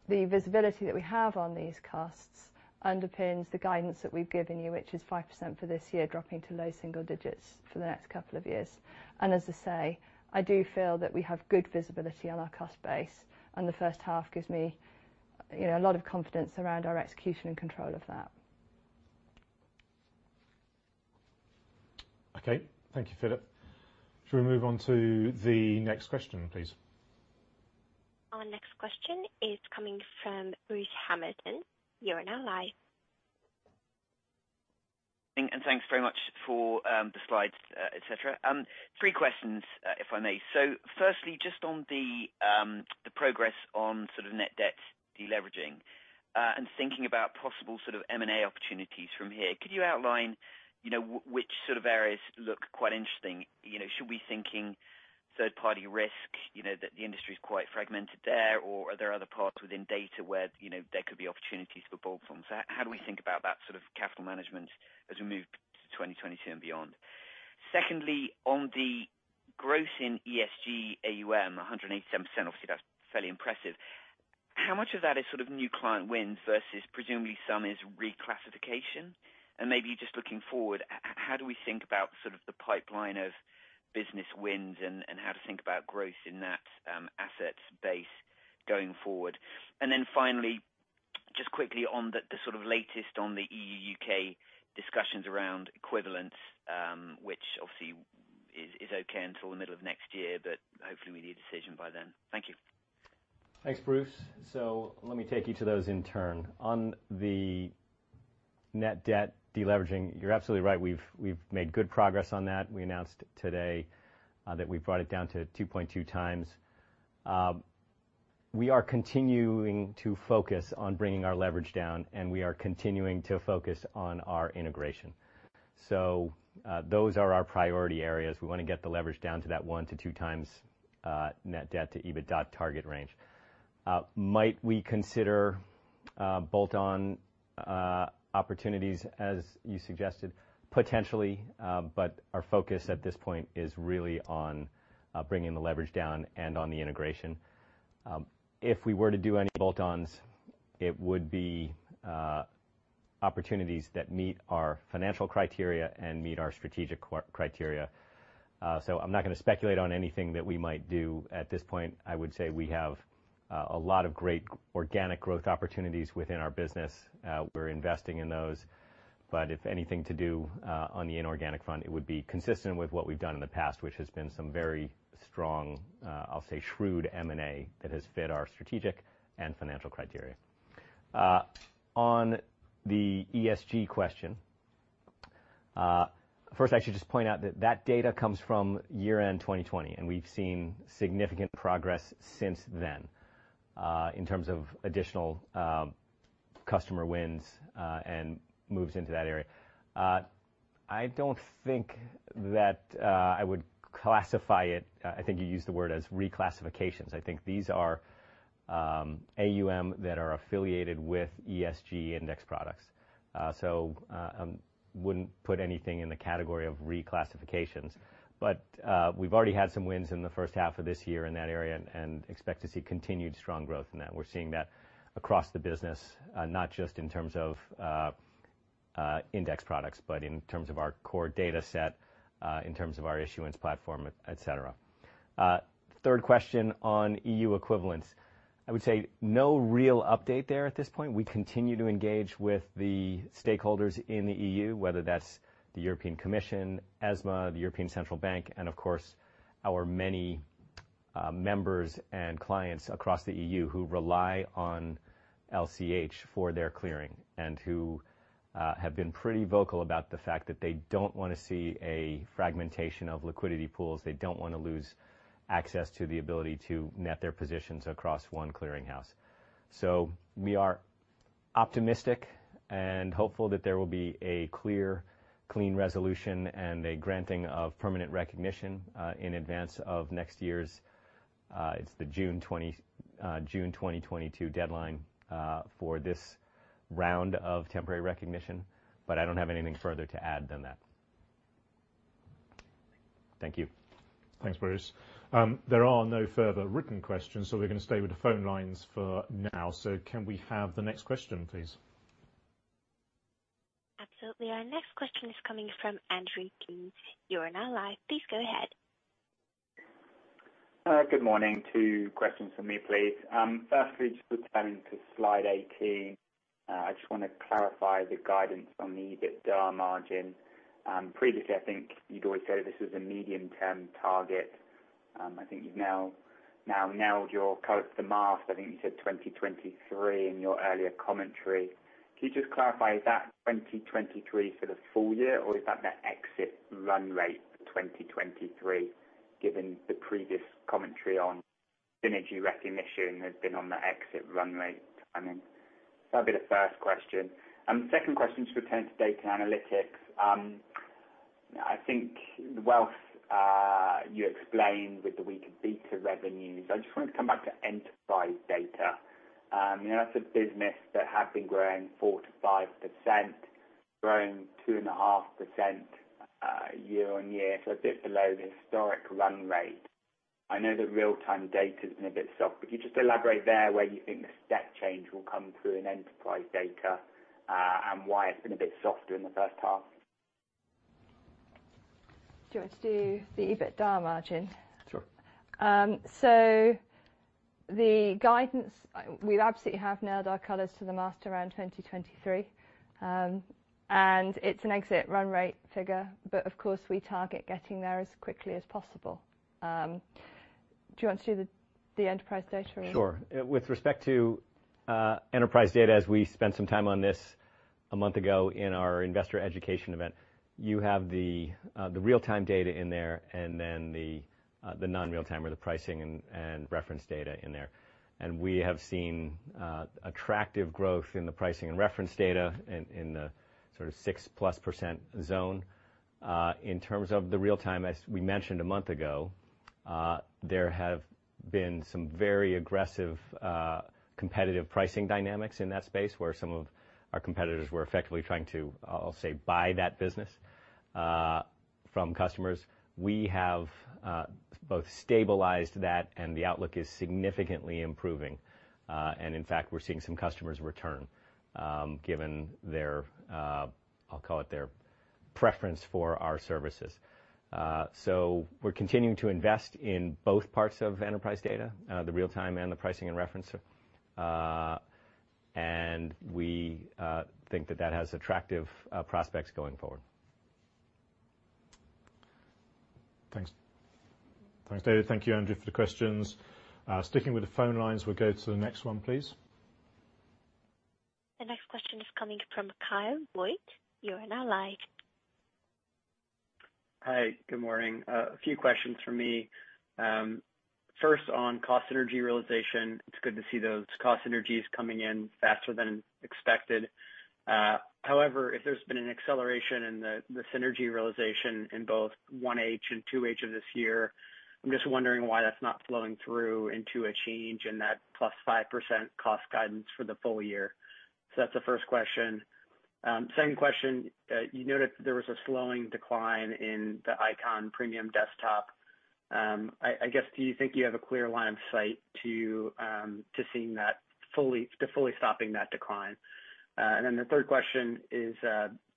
the visibility that we have on these costs underpins the guidance that we've given you, which is 5% for this year, dropping to low-single digits for the next couple of years. As I say, I do feel that we have good visibility on our cost base, and the first half gives me a lot of confidence around our execution and control of that. Okay. Thank you, Philip. Shall we move on to the next question, please? Our next question is coming from Bruce Hamilton. You are now live. Thanks very much for the slides, et cetera. Three questions, if I may. Firstly, just on the progress on net debt deleveraging, and thinking about possible sort of M&A opportunities from here. Could you outline which sort of areas look quite interesting? Should we be thinking third-party risk, that the industry is quite fragmented there? Are there other parts within data where there could be opportunities for bolt-ons? How do we think about that sort of capital management as we move to 2022 and beyond? Secondly, on the growth in ESG AUM, 187%, obviously, that's fairly impressive. How much of that is sort of new client wins versus presumably some is reclassification? Maybe just looking forward, how do we think about the pipeline of business wins and how to think about growth in that asset base going forward? Finally, just quickly on the latest on the EU/U.K. discussions around equivalence, which obviously is okay until the middle of next year, but hopefully we need a decision by then. Thank you. Thanks, Bruce. Let me take you to those in turn. On the net debt deleveraging, you're absolutely right. We've made good progress on that. We announced today that we've brought it down to 2.2x. We are continuing to focus on bringing our leverage down, and we are continuing to focus on our integration. Those are our priority areas. We want to get the leverage down to that 1x-2x net debt-to-EBITDA target range. Might we consider bolt-on opportunities as you suggested? Potentially, our focus at this point is really on bringing the leverage down and on the integration. If we were to do any bolt-ons, it would be opportunities that meet our financial criteria and meet our strategic criteria. I'm not going to speculate on anything that we might do. At this point, I would say we have a lot of great organic growth opportunities within our business. We're investing in those. If anything to do on the inorganic front, it would be consistent with what we've done in the past, which has been some very strong, I'll say shrewd M&A that has fit our strategic and financial criteria. On the ESG question. First, I should just point out that that data comes from year-end 2020, and we've seen significant progress since then in terms of additional customer wins and moves into that area. I don't think that I would classify it, I think you used the word as reclassifications. I think these are AUM that are affiliated with ESG index products. I wouldn't put anything in the category of reclassifications. We've already had some wins in the first half of this year in that area and expect to see continued strong growth in that. We're seeing that across the business, not just in terms of index products, but in terms of our core data set, in terms of our issuance platform, et cetera. Third question on EU equivalence. I would say no real update there at this point. We continue to engage with the stakeholders in the EU, whether that's the European Commission, ESMA, the European Central Bank, and of course, our many members and clients across the EU who rely on LCH for their clearing, and who have been pretty vocal about the fact that they don't want to see a fragmentation of liquidity pools. They don't want to lose access to the ability to net their positions across one clearing house. We are optimistic and hopeful that there will be a clear, clean resolution and a granting of permanent recognition, in advance of next year's It's the June 2022 deadline for this round of temporary recognition. I don't have anything further to add than that. Thank you. Thanks, Bruce. There are no further written questions, so we're going to stay with the phone lines for now. Can we have the next question, please? Absolutely. Our next question is coming from Andrew Keen. You are now live. Please go ahead. Good morning. Two questions from me, please. Firstly, just returning to slide 18. I just want to clarify the guidance on the EBITDA margin. Previously, I think you'd always say this is a medium-term target. I think you've now nailed your colors to the mast. I think you said 2023 in your earlier commentary. Could you just clarify, is that 2023 for the full year, or is that the exit run rate for 2023, given the previous commentary on synergy recognition has been on the exit run rate timing? That'd be the first question. Second question is return to Data & Analytics. I think the wealth you explained with the weaker BETA revenues. I just wanted to come back to enterprise data. That's a business that had been growing 4%-5%, growing 2.5% year-on-year. A bit below the historic run rate. I know the real-time data's been a bit soft. Could you just elaborate there where you think the step change will come through in enterprise data, and why it's been a bit softer in the first half? Do you want to do the EBITDA margin? Sure. The guidance, we absolutely have nailed our colors to the mast around 2023. It's an exit run rate figure, but of course, we target getting there as quickly as possible. Do you want to do the enterprise data? Sure. With respect to enterprise data, as we spent some time on this a month ago in our investor education event, you have the real-time data in there, and then the non-real-time, or the pricing and reference data in there. We have seen attractive growth in the pricing and reference data in the sort of 6%+ zone. In terms of the real-time, as we mentioned a month ago, there have been some very aggressive competitive pricing dynamics in that space, where some of our competitors were effectively trying to, I'll say, buy that business from customers. We have both stabilized that, and the outlook is significantly improving. In fact, we're seeing some customers return, given their, I'll call it their preference for our services. We're continuing to invest in both parts of enterprise data, the real-time and the pricing and reference. We think that that has attractive prospects going forward. Thanks. Thanks, David. Thank you, Andrew, for the questions. Sticking with the phone lines, we'll go to the next one, please. The next question is coming from Kyle Voigt. You are now live. Hi. Good morning. A few questions from me. First on cost synergy realization. It's good to see those cost synergies coming in faster than expected. If there's been an acceleration in the synergy realization in both 1H and 2H of this year, I'm just wondering why that's not flowing through into a change in that +5% cost guidance for the full year. That's the first question. Second question. You noted there was a slowing decline in the Eikon Premium desktop. I guess, do you think you have a clear line of sight to fully stopping that decline? The third question is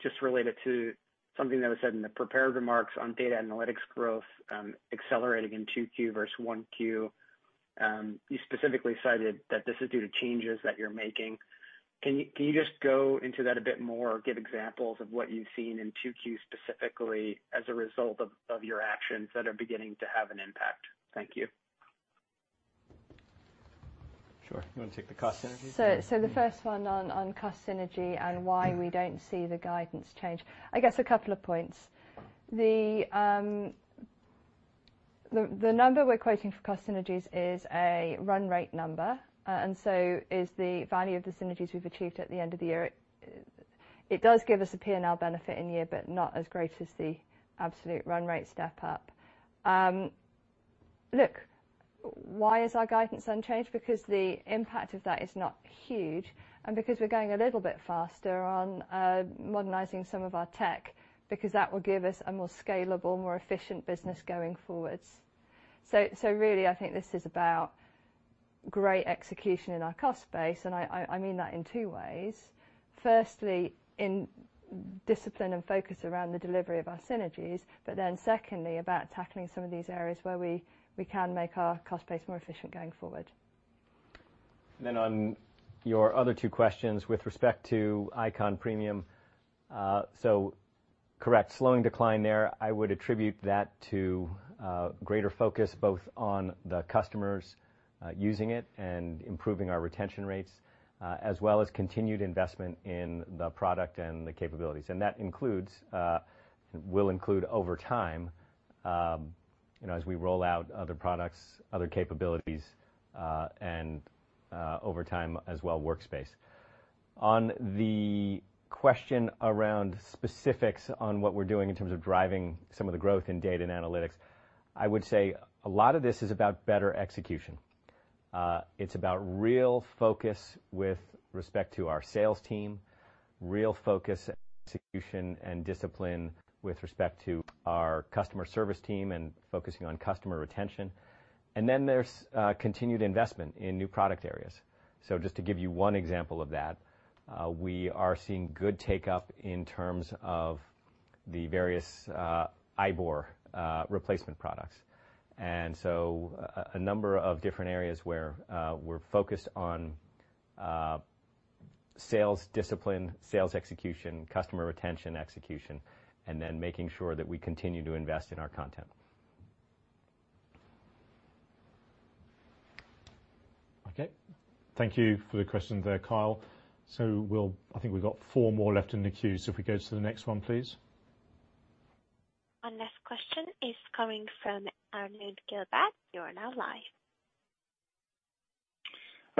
just related to something that was said in the prepared remarks on Data & Analytics growth accelerating in 2Q versus 1Q. You specifically cited that this is due to changes that you're making. Can you just go into that a bit more or give examples of what you've seen in 2Q specifically as a result of your actions that are beginning to have an impact? Thank you. Sure. You want to take the cost synergy? The first one on cost synergy and why we don't see the guidance change. I guess a couple of points. The number we're quoting for cost synergies is a run rate number. And so is the value of the synergies we've achieved at the end of the year. It does give us a P&L benefit in year, but not as great as the absolute run rate step-up. Look, why is our guidance unchanged? Because the impact of that is not huge, and because we're going a little bit faster on modernizing some of our tech, because that will give us a more scalable, more efficient business going forwards. Really, I think this is about great execution in our cost base, and I mean that in two ways. Firstly, in discipline and focus around the delivery of our synergies. Secondly, about tackling some of these areas where we can make our cost base more efficient going forward. On your other two questions with respect to Eikon Premium desktop. Correct, slowing decline there, I would attribute that to greater focus both on the customers using it and improving our retention rates, as well as continued investment in the product and the capabilities. That will include, over time, as we roll out other products, other capabilities, and over time as well, Workspace. On the question around specifics on what we're doing in terms of driving some of the growth in Data & Analytics, I would say a lot of this is about better execution. It's about real focus with respect to our sales team, real focus, execution, and discipline with respect to our customer service team and focusing on customer retention. There's continued investment in new product areas. Just to give you one example of that, we are seeing good take-up in terms of the various IBOR replacement products. A number of different areas where we're focused on sales discipline, sales execution, customer retention execution, and then making sure that we continue to invest in our content. Okay. Thank you for the question there, Kyle. I think we've got four more left in the queue. If we go to the next one, please. Our next question is coming from Arnaud Giblat. You are now live.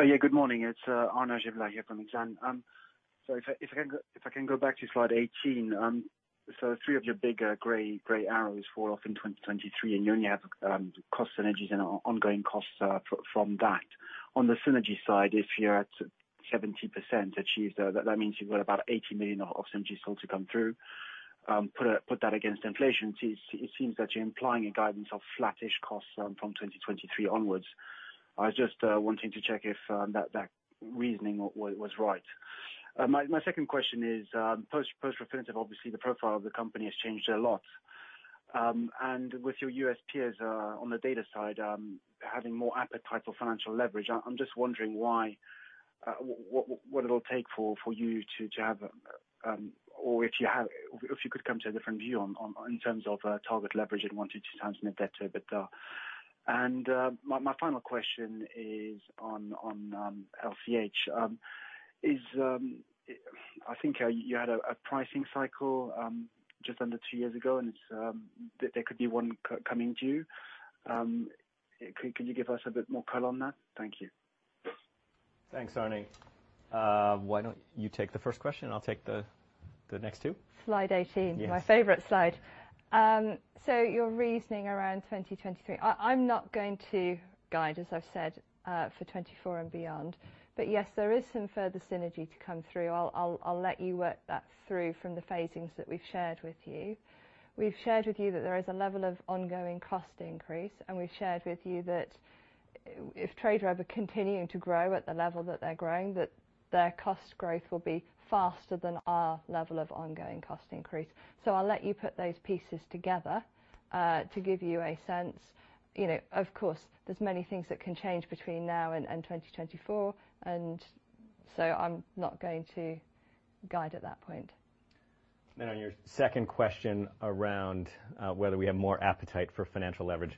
Yeah, good morning. It's Arnaud Giblat here from Exane. If I can go back to slide 18. Three of your bigger gray arrows fall off in 2023, and you only have cost synergies and ongoing costs from that. On the synergy side, if you're at 70% achieved, that means you've got about 80 million of synergies still to come through. Put that against inflation, it seems that you're implying a guidance of flattish costs from 2023 onwards. I was just wanting to check if that reasoning was right. My second question is, post-Refinitiv, obviously the profile of the company has changed a lot. With your U.S. peers on the data side, having more appetite for financial leverage, I'm just wondering what it'll take for you to have or if you could come to a different view in terms of target leverage at 1x-2x net debt-to-EBITDA. My final question is on LCH. I think you had a pricing cycle just under two years ago, and there could be one coming due. Could you give us a bit more color on that? Thank you. Thanks, Arnaud. Why don't you take the first question and I'll take the next two? Slide 18. Yes. My favorite slide. Your reasoning around 2023. I'm not going to guide, as I've said, for 2024 and beyond. Yes, there is some further synergy to come through. I'll let you work that through from the phasings that we've shared with you. We've shared with you that there is a level of ongoing cost increase, and we've shared with you that if Tradeweb are continuing to grow at the level that they're growing, that their cost growth will be faster than our level of ongoing cost increase. I'll let you put those pieces together to give you a sense. Of course, there's many things that can change between now and 2024, and I'm not going to guide at that point. On your second question around whether we have more appetite for financial leverage.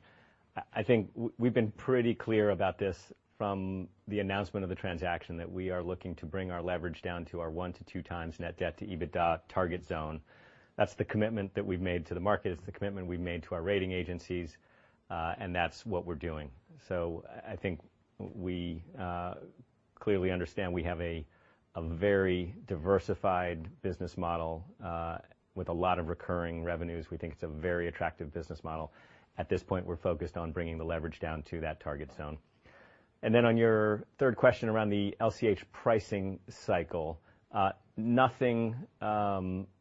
I think we've been pretty clear about this from the announcement of the transaction, that we are looking to bring our leverage down to our 1x-2x net debt-to-EBITDA target zone. That's the commitment that we've made to the market. It's the commitment we've made to our rating agencies, and that's what we're doing. I think we clearly understand we have a very diversified business model, with a lot of recurring revenues. We think it's a very attractive business model. At this point, we're focused on bringing the leverage down to that target zone. On your third question around the LCH pricing cycle. Nothing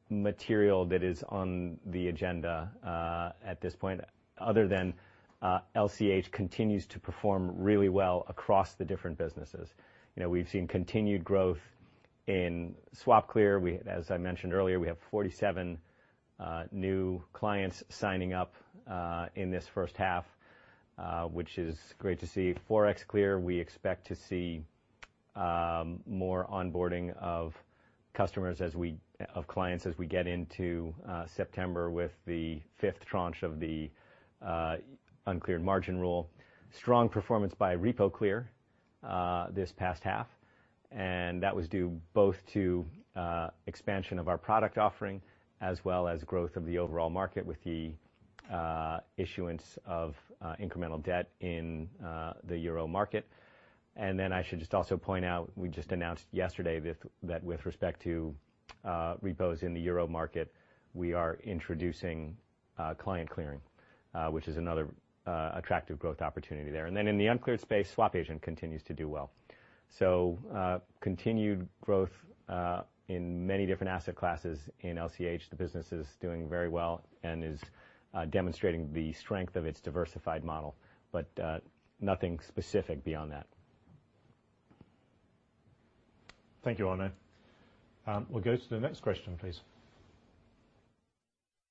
material that is on the agenda at this point other than LCH continues to perform really well across the different businesses. We've seen continued growth in SwapClear. As I mentioned earlier, we have 47 new clients signing up in this first half, which is great to see. ForexClear, we expect to see more onboarding of clients as we get into September with the fifth tranche of the uncleared margin rule. Strong performance by RepoClear this past half. That was due both to expansion of our product offering as well as growth of the overall market with the issuance of incremental debt in the Euro market. I should just also point out, we just announced yesterday that with respect to repos in the Euro market, we are introducing client clearing, which is another attractive growth opportunity there. In the uncleared space, SwapAgent continues to do well. Continued growth in many different asset classes in LCH. The business is doing very well and is demonstrating the strength of its diversified model, but nothing specific beyond that. Thank you, Arnaud. We'll go to the next question, please.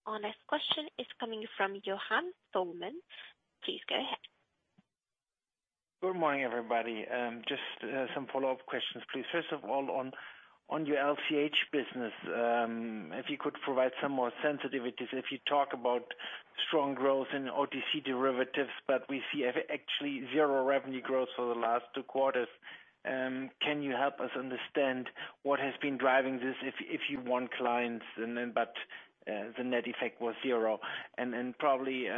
Our next question is coming from Johannes Thormann. Please go ahead. Good morning, everybody. Just some follow-up questions, please. First of all, on your LCH business, if you could provide some more sensitivities. If you talk about strong growth in OTC derivatives, but we see actually zero revenue growth for the last two quarters. Can you help us understand what has been driving this, if you want clients, but the net effect was zero? Probably,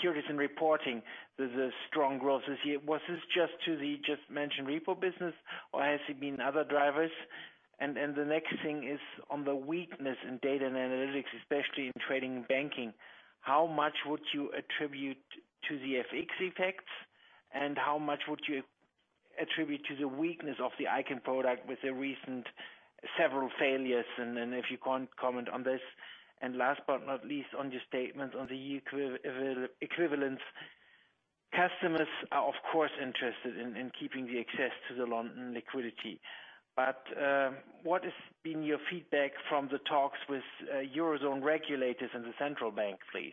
curious in reporting the strong growth this year. Was this just to the just-mentioned repo business, or has it been other drivers? The next thing is on the weakness in Data & Analytics, especially in trading and banking. How much would you attribute to the FX effects, and how much would you attribute to the weakness of the Eikon product with the recent several failures? If you can't comment on this. Last but not least, on your statement on the EU Equivalence. Customers are, of course, interested in keeping the access to the London liquidity. What has been your feedback from the talks with eurozone regulators and the central bank, please?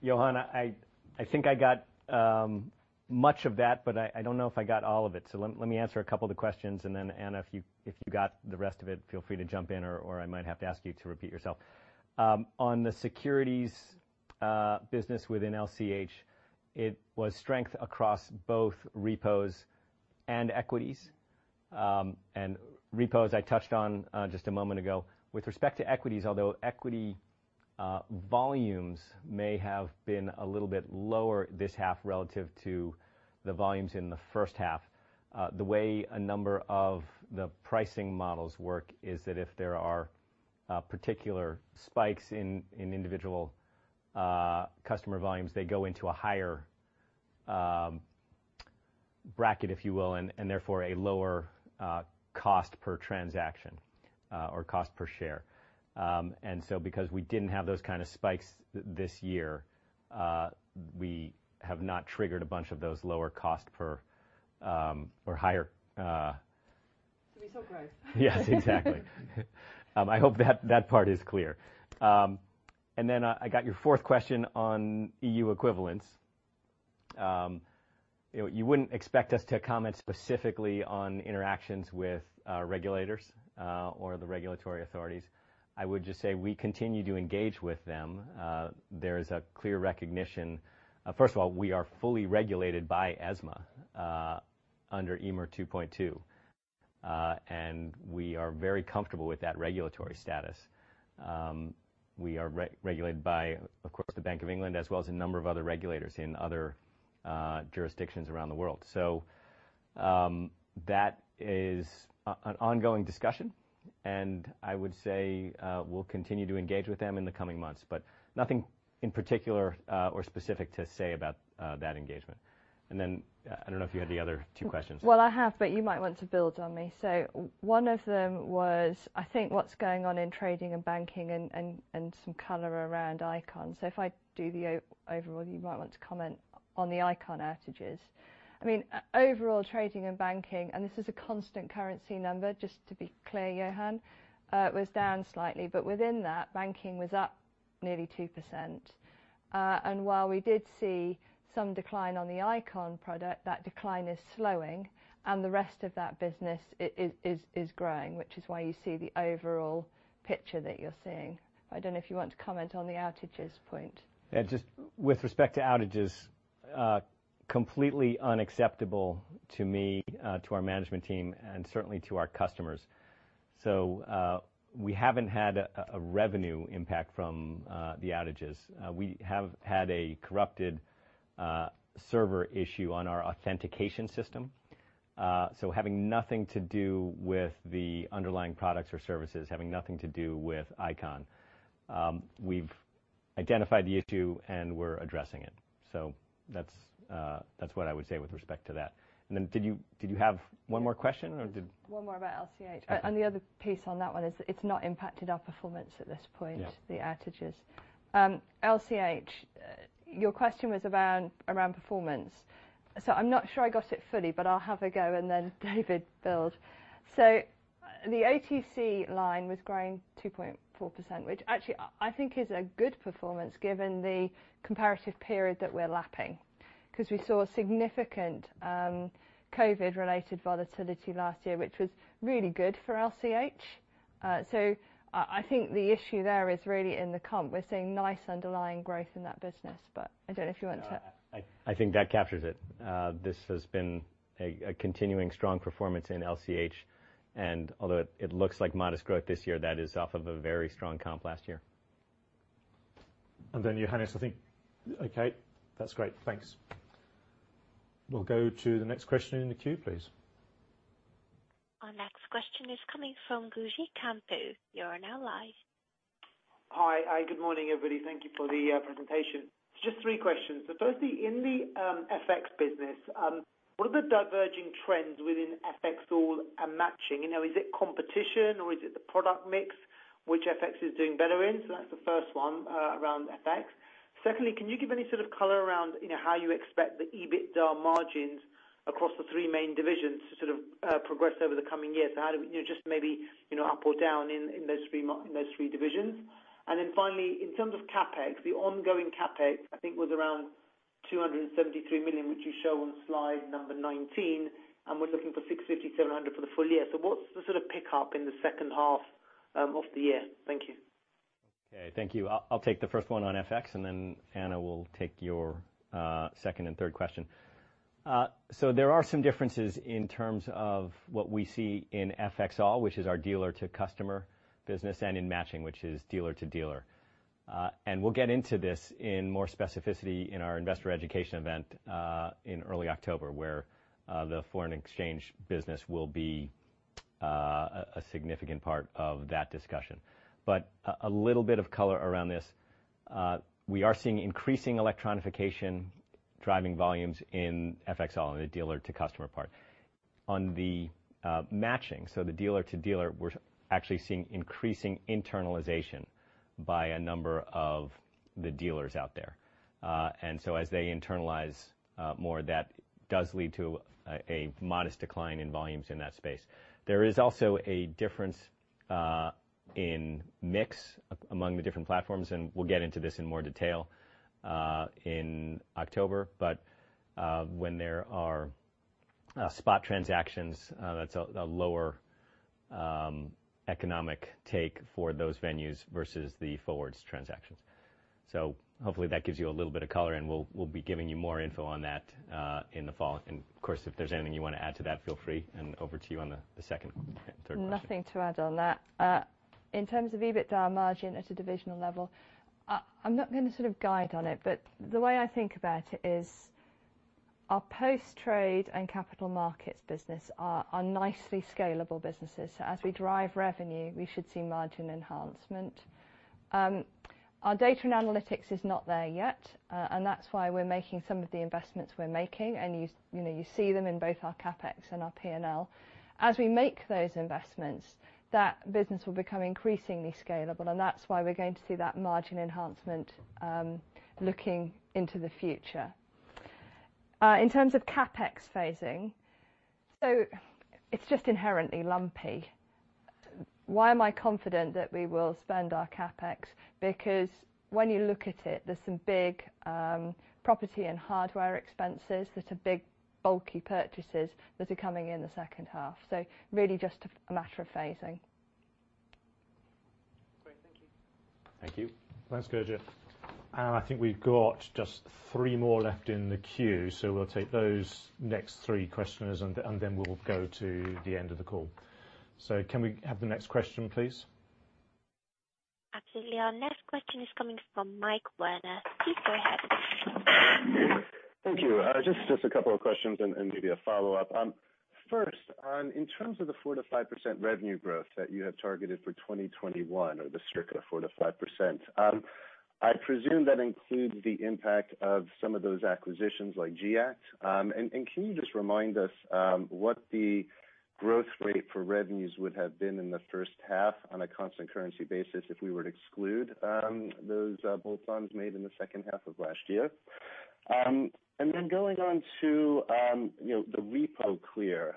Johann, I think I got much of that, but I don't know if I got all of it. Let me answer a couple of the questions, and then Anna, if you got the rest of it, feel free to jump in, or I might have to ask you to repeat yourself. On the securities business within LCH, it was strength across both repos and equities. Repos I touched on just a moment ago. With respect to equities, although equity volumes may have been a little bit lower this half relative to the volumes in first half, the way a number of the pricing models work is that if there are particular spikes in individual customer volumes, they go into a higher bracket, if you will, and therefore a lower cost per transaction or cost per share. Because we didn't have those kind of spikes this year, we have not triggered a bunch of those lower cost per or higher-. To be surprised. Yes, exactly. I hope that part is clear. Then I got your fourth question on EU equivalence. You wouldn't expect us to comment specifically on interactions with regulators or the regulatory authorities. I would just say we continue to engage with them. There is a clear recognition first of all, we are fully regulated by ESMA under EMIR 2.2, and we are very comfortable with that regulatory status. We are regulated by, of course, the Bank of England, as well as a number of other regulators in other jurisdictions around the world. That is an ongoing discussion, and I would say we'll continue to engage with them in the coming months, but nothing in particular or specific to say about that engagement. Then, I don't know if you had the other two questions. I have, but you might want to build on me. One of them was, I think, what's going on in trading and banking and some color around Eikon. If I do the overall, you might want to comment on the Eikon outages. Overall, trading and banking, and this is a constant currency number, just to be clear, Johann, was down slightly, but within that, banking was up nearly 2%. While we did see some decline on the Eikon product, that decline is slowing, and the rest of that business is growing, which is why you see the overall picture that you're seeing. I don't know if you want to comment on the outages point. Just with respect to outages, completely unacceptable to me, to our management team, and certainly to our customers. We haven't had a revenue impact from the outages. We have had a corrupted server issue on our authentication system. Having nothing to do with the underlying products or services, having nothing to do with Eikon. We've identified the issue, and we're addressing it. That's what I would say with respect to that. Did you have one more question? One more about LCH. Okay. The other piece on that one is it's not impacted our performance at this point- Yeah... the outages. LCH, your question was around performance. I'm not sure I got it fully, but I'll have a go, and then David build. The OTC line was growing 2.4%, which actually I think is a good performance given the comparative period that we're lapping. We saw significant COVID-related volatility last year, which was really good for LCH. I think the issue there is really in the comp. We're seeing nice underlying growth in that business. I think that captures it. This has been a continuing strong performance in LCH. Although it looks like modest growth this year, that is off of a very strong comp last year. Johannes, I think Okay. That's great. Thanks. We'll go to the next question in the queue, please. Our next question is coming from Gurjit Kambo. You are now live. Hi. Good morning, everybody. Thank you for the presentation. Just three questions. Firstly, in the FX business, what are the diverging trends within FXall and Matching? Is it competition or is it the product mix which FX is doing better in? That's the first one around FX. Secondly, can you give any sort of color around how you expect the EBITDA margins across the three main divisions to progress over the coming years? Just maybe up or down in those three divisions. Finally, in terms of CapEx, the ongoing CapEx, I think was around 273 million, which you show on slide number 19, and we're looking for 650 million-700 million for the full year. What's the pickup in the second half of the year? Thank you. Thank you. I'll take the first one on FX, and then Anna will take your second and third question. There are some differences in terms of what we see in FXall, which is our dealer-to-customer business, and in Matching, which is dealer-to-dealer. We'll get into this in more specificity in our investor education event, in early October, where the foreign exchange business will be a significant part of that discussion. A little bit of color around this. We are seeing increasing electronification driving volumes in FXall, in the dealer-to-customer part. On the Matching, so the dealer-to-dealer, we're actually seeing increasing internalization by a number of the dealers out there. As they internalize more, that does lead to a modest decline in volumes in that space. There is also a difference in mix among the different platforms. We'll get into this in more detail in October. When there are spot transactions, that's a lower economic take for those venues versus the forwards transactions. Hopefully that gives you a little bit of color. We'll be giving you more info on that in the fall. Of course, if there's anything you want to add to that, feel free. Over to you on the second and third question. Nothing to add on that. In terms of EBITDA margin at a divisional level, I'm not going to guide on it, but the way I think about it is our post-trade and capital markets business are nicely scalable businesses. As we drive revenue, we should see margin enhancement. Our Data & Analytics is not there yet, that's why we're making some of the investments we're making. You see them in both our CapEx and our P&L. As we make those investments, that business will become increasingly scalable, that's why we're going to see that margin enhancement, looking into the future. In terms of CapEx phasing, it's just inherently lumpy. Why am I confident that we will spend our CapEx? Because when you look at it, there's some big property and hardware expenses that are big, bulky purchases that are coming in the second half. Really just a matter of phasing. Great. Thank you. Thank you. Thanks, Gurjit. I think we've got just three more left in the queue, so we'll take those next three questioners, and then we'll go to the end of the call. Can we have the next question, please? Absolutely. Our next question is coming from Mike Werner. Please go ahead. Thank you. Just a couple of questions and maybe a follow-up. First, in terms of the 4%-5% revenue growth that you have targeted for 2021, or the circa 4%-5%, I presume that includes the impact of some of those acquisitions like GIACT. Can you just remind us what the growth rate for revenues would have been in the first half on a constant currency basis if we were to exclude those bolt-ons made in the second half of last year? Going on to the RepoClear,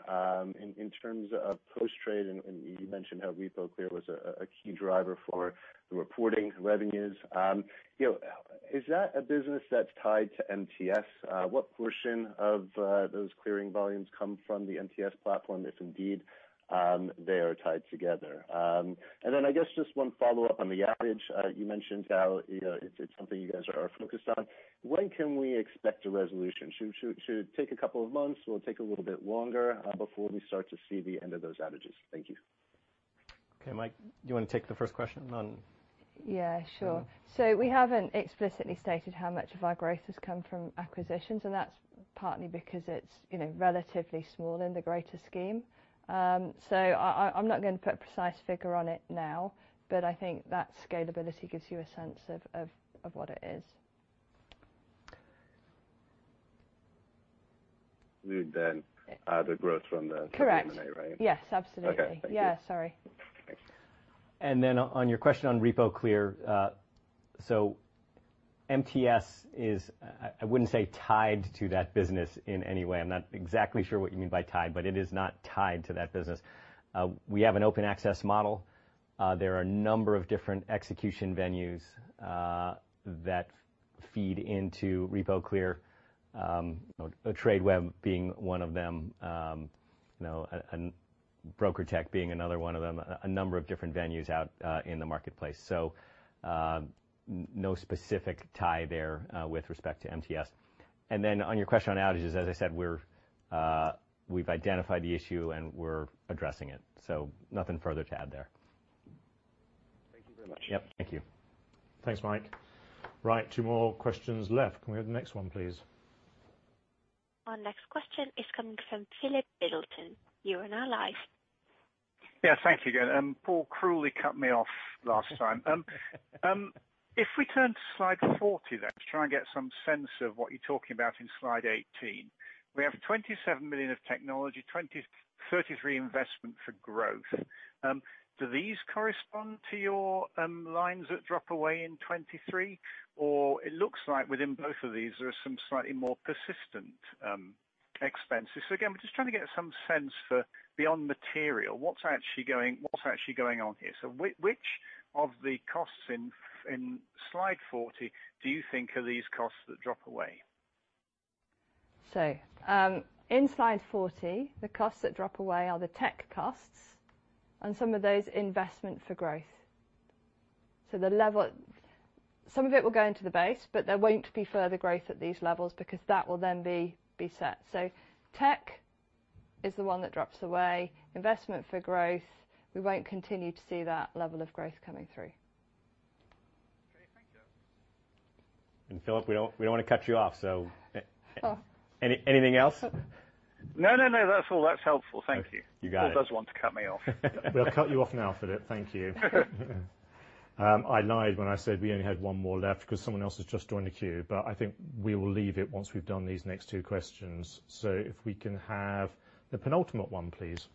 in terms of post-trade, and you mentioned how RepoClear was a key driver for the reporting revenues. Is that a business that's tied to MTS? What portion of those clearing volumes come from the MTS platform, if indeed, they are tied together? I guess just one follow-up on the outage. You mentioned how it's something you guys are focused on. When can we expect a resolution? Should it take a couple of months or take a little bit longer before we start to see the end of those outages? Thank you. Okay, Mike. Do you want to take the first question? Yeah, sure. We haven't explicitly stated how much of our growth has come from acquisitions, and that's partly because it's relatively small in the greater scheme. I'm not going to put a precise figure on it now, but I think that scalability gives you a sense of what it is. We add the growth from the M&A, right? Correct. Yes, absolutely. Okay. Thank you. Yeah. Sorry. Thanks. On your question on RepoClear, MTS is, I wouldn't say tied to that business in any way. I'm not exactly sure what you mean by tied, but it is not tied to that business. We have an open access model. There are a number of different execution venues that feed into RepoClear. Tradeweb being one of them, BrokerTec being another one of them, a number of different venues out in the marketplace. No specific tie there with respect to MTS. On your question on outages, as I said, we've identified the issue, and we're addressing it. Nothing further to add there. Thank you very much. Yep. Thank you. Thanks, Mike. Right, two more questions left. Can we have the next one, please? Our next question is coming from Philip Middleton. You are now live. Thank you again. Paul cruelly cut me off last time. We turn to slide 40 then, to try and get some sense of what you're talking about in slide 18. We have 27 million of technology, 33 million investment for growth. Do these correspond to your lines that drop away in 2023, or it looks like within both of these, there are some slightly more persistent expenses? Again, we're just trying to get some sense for beyond material, what's actually going on here. Which of the costs in slide 40 do you think are these costs that drop away? In slide 40, the costs that drop away are the tech costs and some of those investment for growth. Some of it will go into the base, but there won't be further growth at these levels because that will then be set. Tech is the one that drops away. Investment for growth, we won't continue to see that level of growth coming through. Okay, thank you. Philip, we don't want to cut you off, so anything else? No, that's all. That's helpful. Thank you. You got it. Paul does want to cut me off. We'll cut you off now, Philip. Thank you. I lied when I said we only had one more left because someone else has just joined the queue, but I think we will leave it once we've done these next two questions. If we can have the penultimate one, please.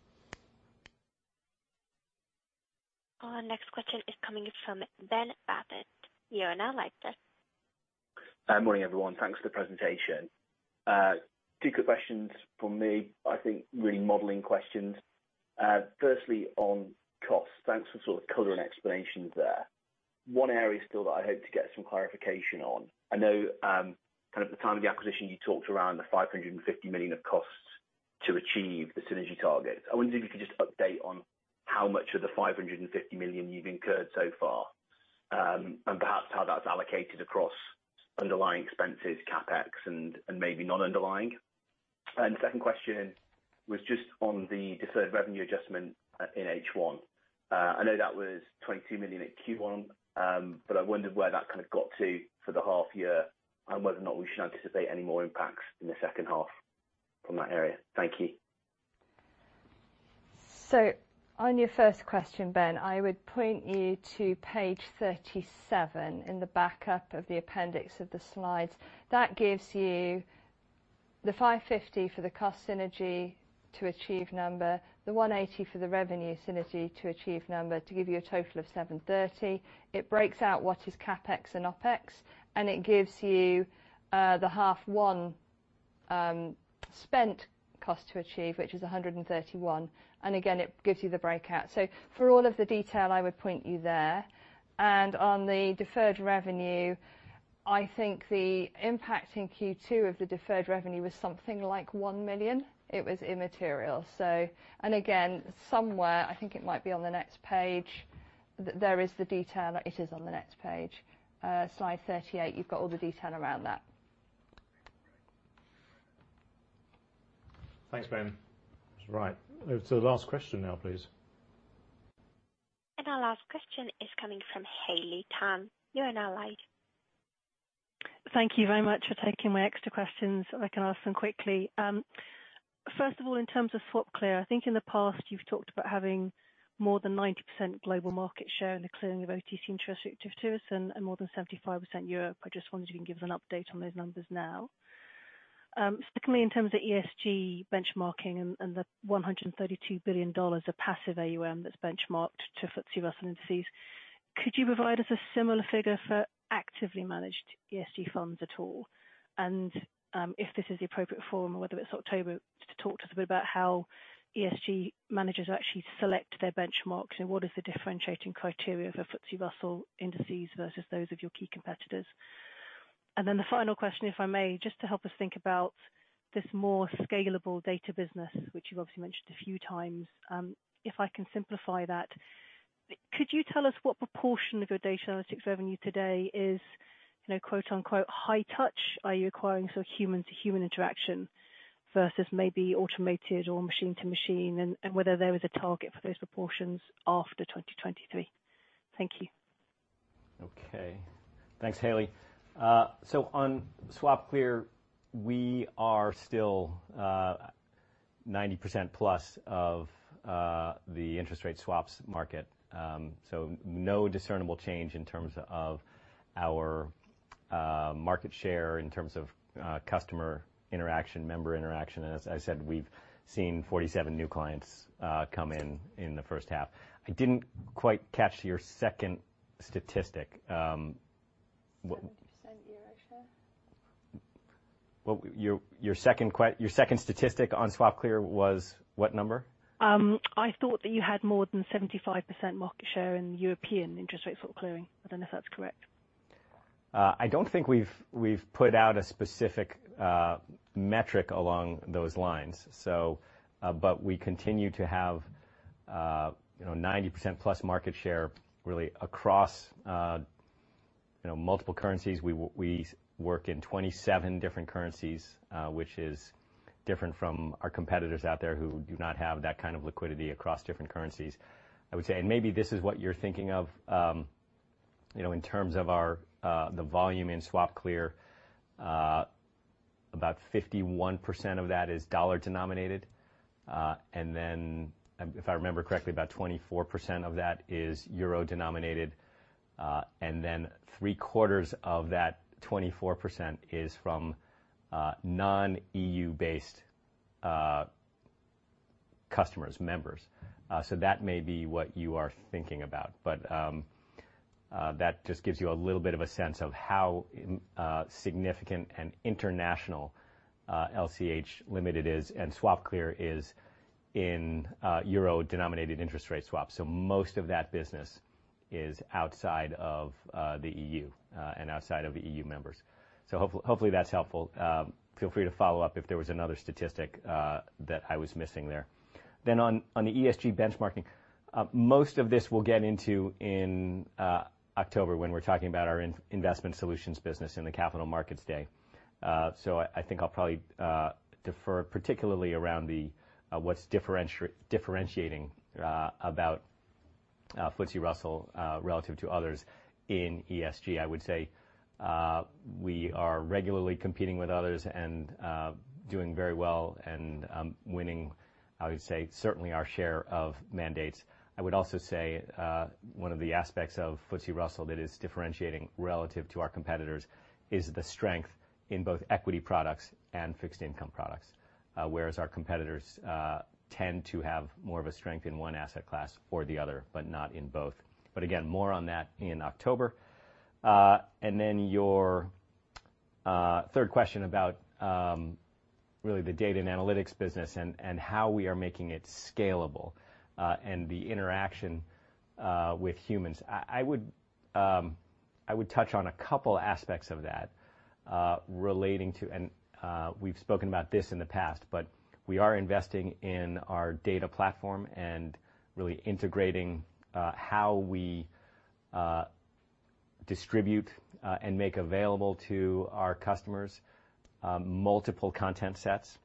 Our next question is coming from Ben Bathurst. You are now live, Ben. Morning, everyone. Thanks for the presentation. Two quick questions from me, I think really modeling questions. Firstly, on costs, thanks for sort of coloring explanations there. One area still that I hope to get some clarification on. I know kind of at the time of the acquisition, you talked around the 550 million of costs to achieve the synergy targets. I wonder if you could just update on how much of the 550 million you've incurred so far, and perhaps how that's allocated across underlying expenses, CapEx and maybe non-underlying. Second question was just on the deferred revenue adjustment in H1. I know that was 22 million at Q1, but I wondered where that kind of got to for the half year and whether or not we should anticipate any more impacts in the second half from that area? Thank you. On your first question, Ben, I would point you to page 37 in the backup of the appendix of the slides. That gives you the 550 million for the cost synergy to achieve number, the 180 million for the revenue synergy to achieve number, to give you a total of 730 million. It breaks out what is CapEx and OpEx, and it gives you the H1 spent cost to achieve, which is 131 million. Again, it gives you the breakout. For all of the detail, I would point you there. On the deferred revenue, I think the impact in Q2 of the deferred revenue was something like 1 million. It was immaterial. Again, somewhere, I think it might be on the next page, there is the detail. It is on the next page. Slide 38, you've got all the detail around that. Great. Thanks, Ben. Right. Over to the last question now, please. Our last question is coming from Haley Tam. You are now live. Thank you very much for taking my extra questions. I can ask them quickly. First of all, in terms of SwapClear, I think in the past you've talked about having more than 90% global market share in the clearing of OTC interest rate derivatives and more than 75% Europe. I just wondered if you can give us an update on those numbers now. Secondly, in terms of ESG benchmarking and the $132 billion of passive AUM that's benchmarked to FTSE Russell indices, could you provide us a similar figure for actively managed ESG funds at all? If this is the appropriate forum, or whether it's October, just to talk to us a bit about how ESG managers actually select their benchmarks and what is the differentiating criteria for FTSE Russell indices versus those of your key competitors? The final question, if I may, just to help us think about this more scalable data business, which you've obviously mentioned a few times. If I can simplify that, could you tell us what proportion of your Data & Analytics revenue today is, "high-touch," are you acquiring human-to-human interaction versus maybe automated or machine-to-machine, and whether there is a target for those proportions after 2023? Thank you. Thanks, Haley. On SwapClear, we are still 90%+ of the interest rate swaps market. No discernible change in terms of our market share, in terms of customer interaction, member interaction. As I said, we've seen 47 new clients come in in the first half. I didn't quite catch your second statistic. 70% Euro share. Your second statistic on SwapClear was what number? I thought that you had more than 75% market share in European interest rate swap clearing. I don't know if that's correct. I don't think we've put out a specific metric along those lines. We continue to have 90%+ market share really across multiple currencies. We work in 27 different currencies, which is different from our competitors out there who do not have that kind of liquidity across different currencies. I would say, maybe this is what you're thinking of, in terms of the volume in SwapClear, about 51% of that is dollar-denominated. If I remember correctly, about 24% of that is euro-denominated, three-quarters of that 24% is from non-EU-based customers, members. That may be what you are thinking about, that just gives you a little bit of a sense of how significant and international LCH Limited is and SwapClear is in euro-denominated interest rate swaps. Most of that business is outside of the EU and outside of EU members. Hopefully that's helpful. Feel free to follow-up if there was another statistic that I was missing there. On the ESG benchmarking, most of this we'll get into in October when we're talking about our investment solutions business in the Capital Markets Day. I think I'll probably defer, particularly around what's differentiating about FTSE Russell relative to others in ESG. I would say we are regularly competing with others and doing very well and winning, I would say, certainly our share of mandates. I would also say one of the aspects of FTSE Russell that is differentiating relative to our competitors is the strength in both equity products and fixed income products, whereas our competitors tend to have more of a strength in one asset class or the other, but not in both. Again, more on that in October. Then your third question about really the Data & Analytics business and how we are making it scalable and the interaction with humans. I would touch on a couple aspects of that relating to, and we've spoken about this in the past, but we are investing in our data platform and really integrating how we distribute and make available to our customers multiple content sets.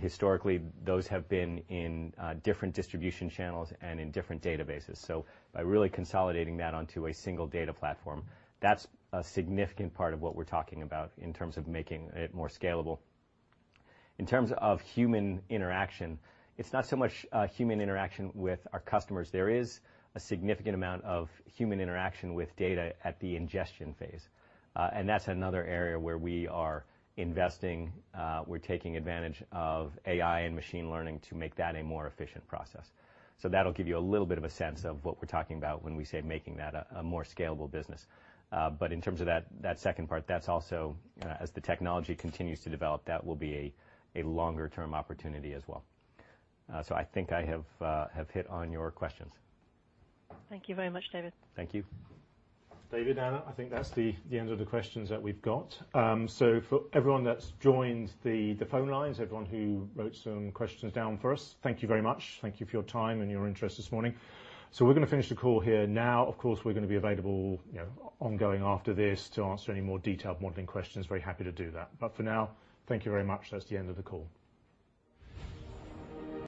Historically, those have been in different distribution channels and in different databases. By really consolidating that onto a single data platform, that's a significant part of what we're talking about in terms of making it more scalable. In terms of human interaction, it's not so much human interaction with our customers. There is a significant amount of human interaction with data at the ingestion phase, and that's another area where we are investing. We're taking advantage of AI and machine learning to make that a more efficient process. That'll give you a little bit of a sense of what we're talking about when we say making that a more scalable business. In terms of that second part, as the technology continues to develop, that will be a longer-term opportunity as well. I think I have hit on your questions. Thank you very much, David. Thank you. David, Anna, I think that's the end of the questions that we've got. For everyone that's joined the phone lines, everyone who wrote some questions down for us, thank you very much. Thank you for your time and your interest this morning. We're going to finish the call here now. Of course, we're going to be available ongoing after this to answer any more detailed modeling questions. Very happy to do that. For now, thank you very much. That's the end of the call.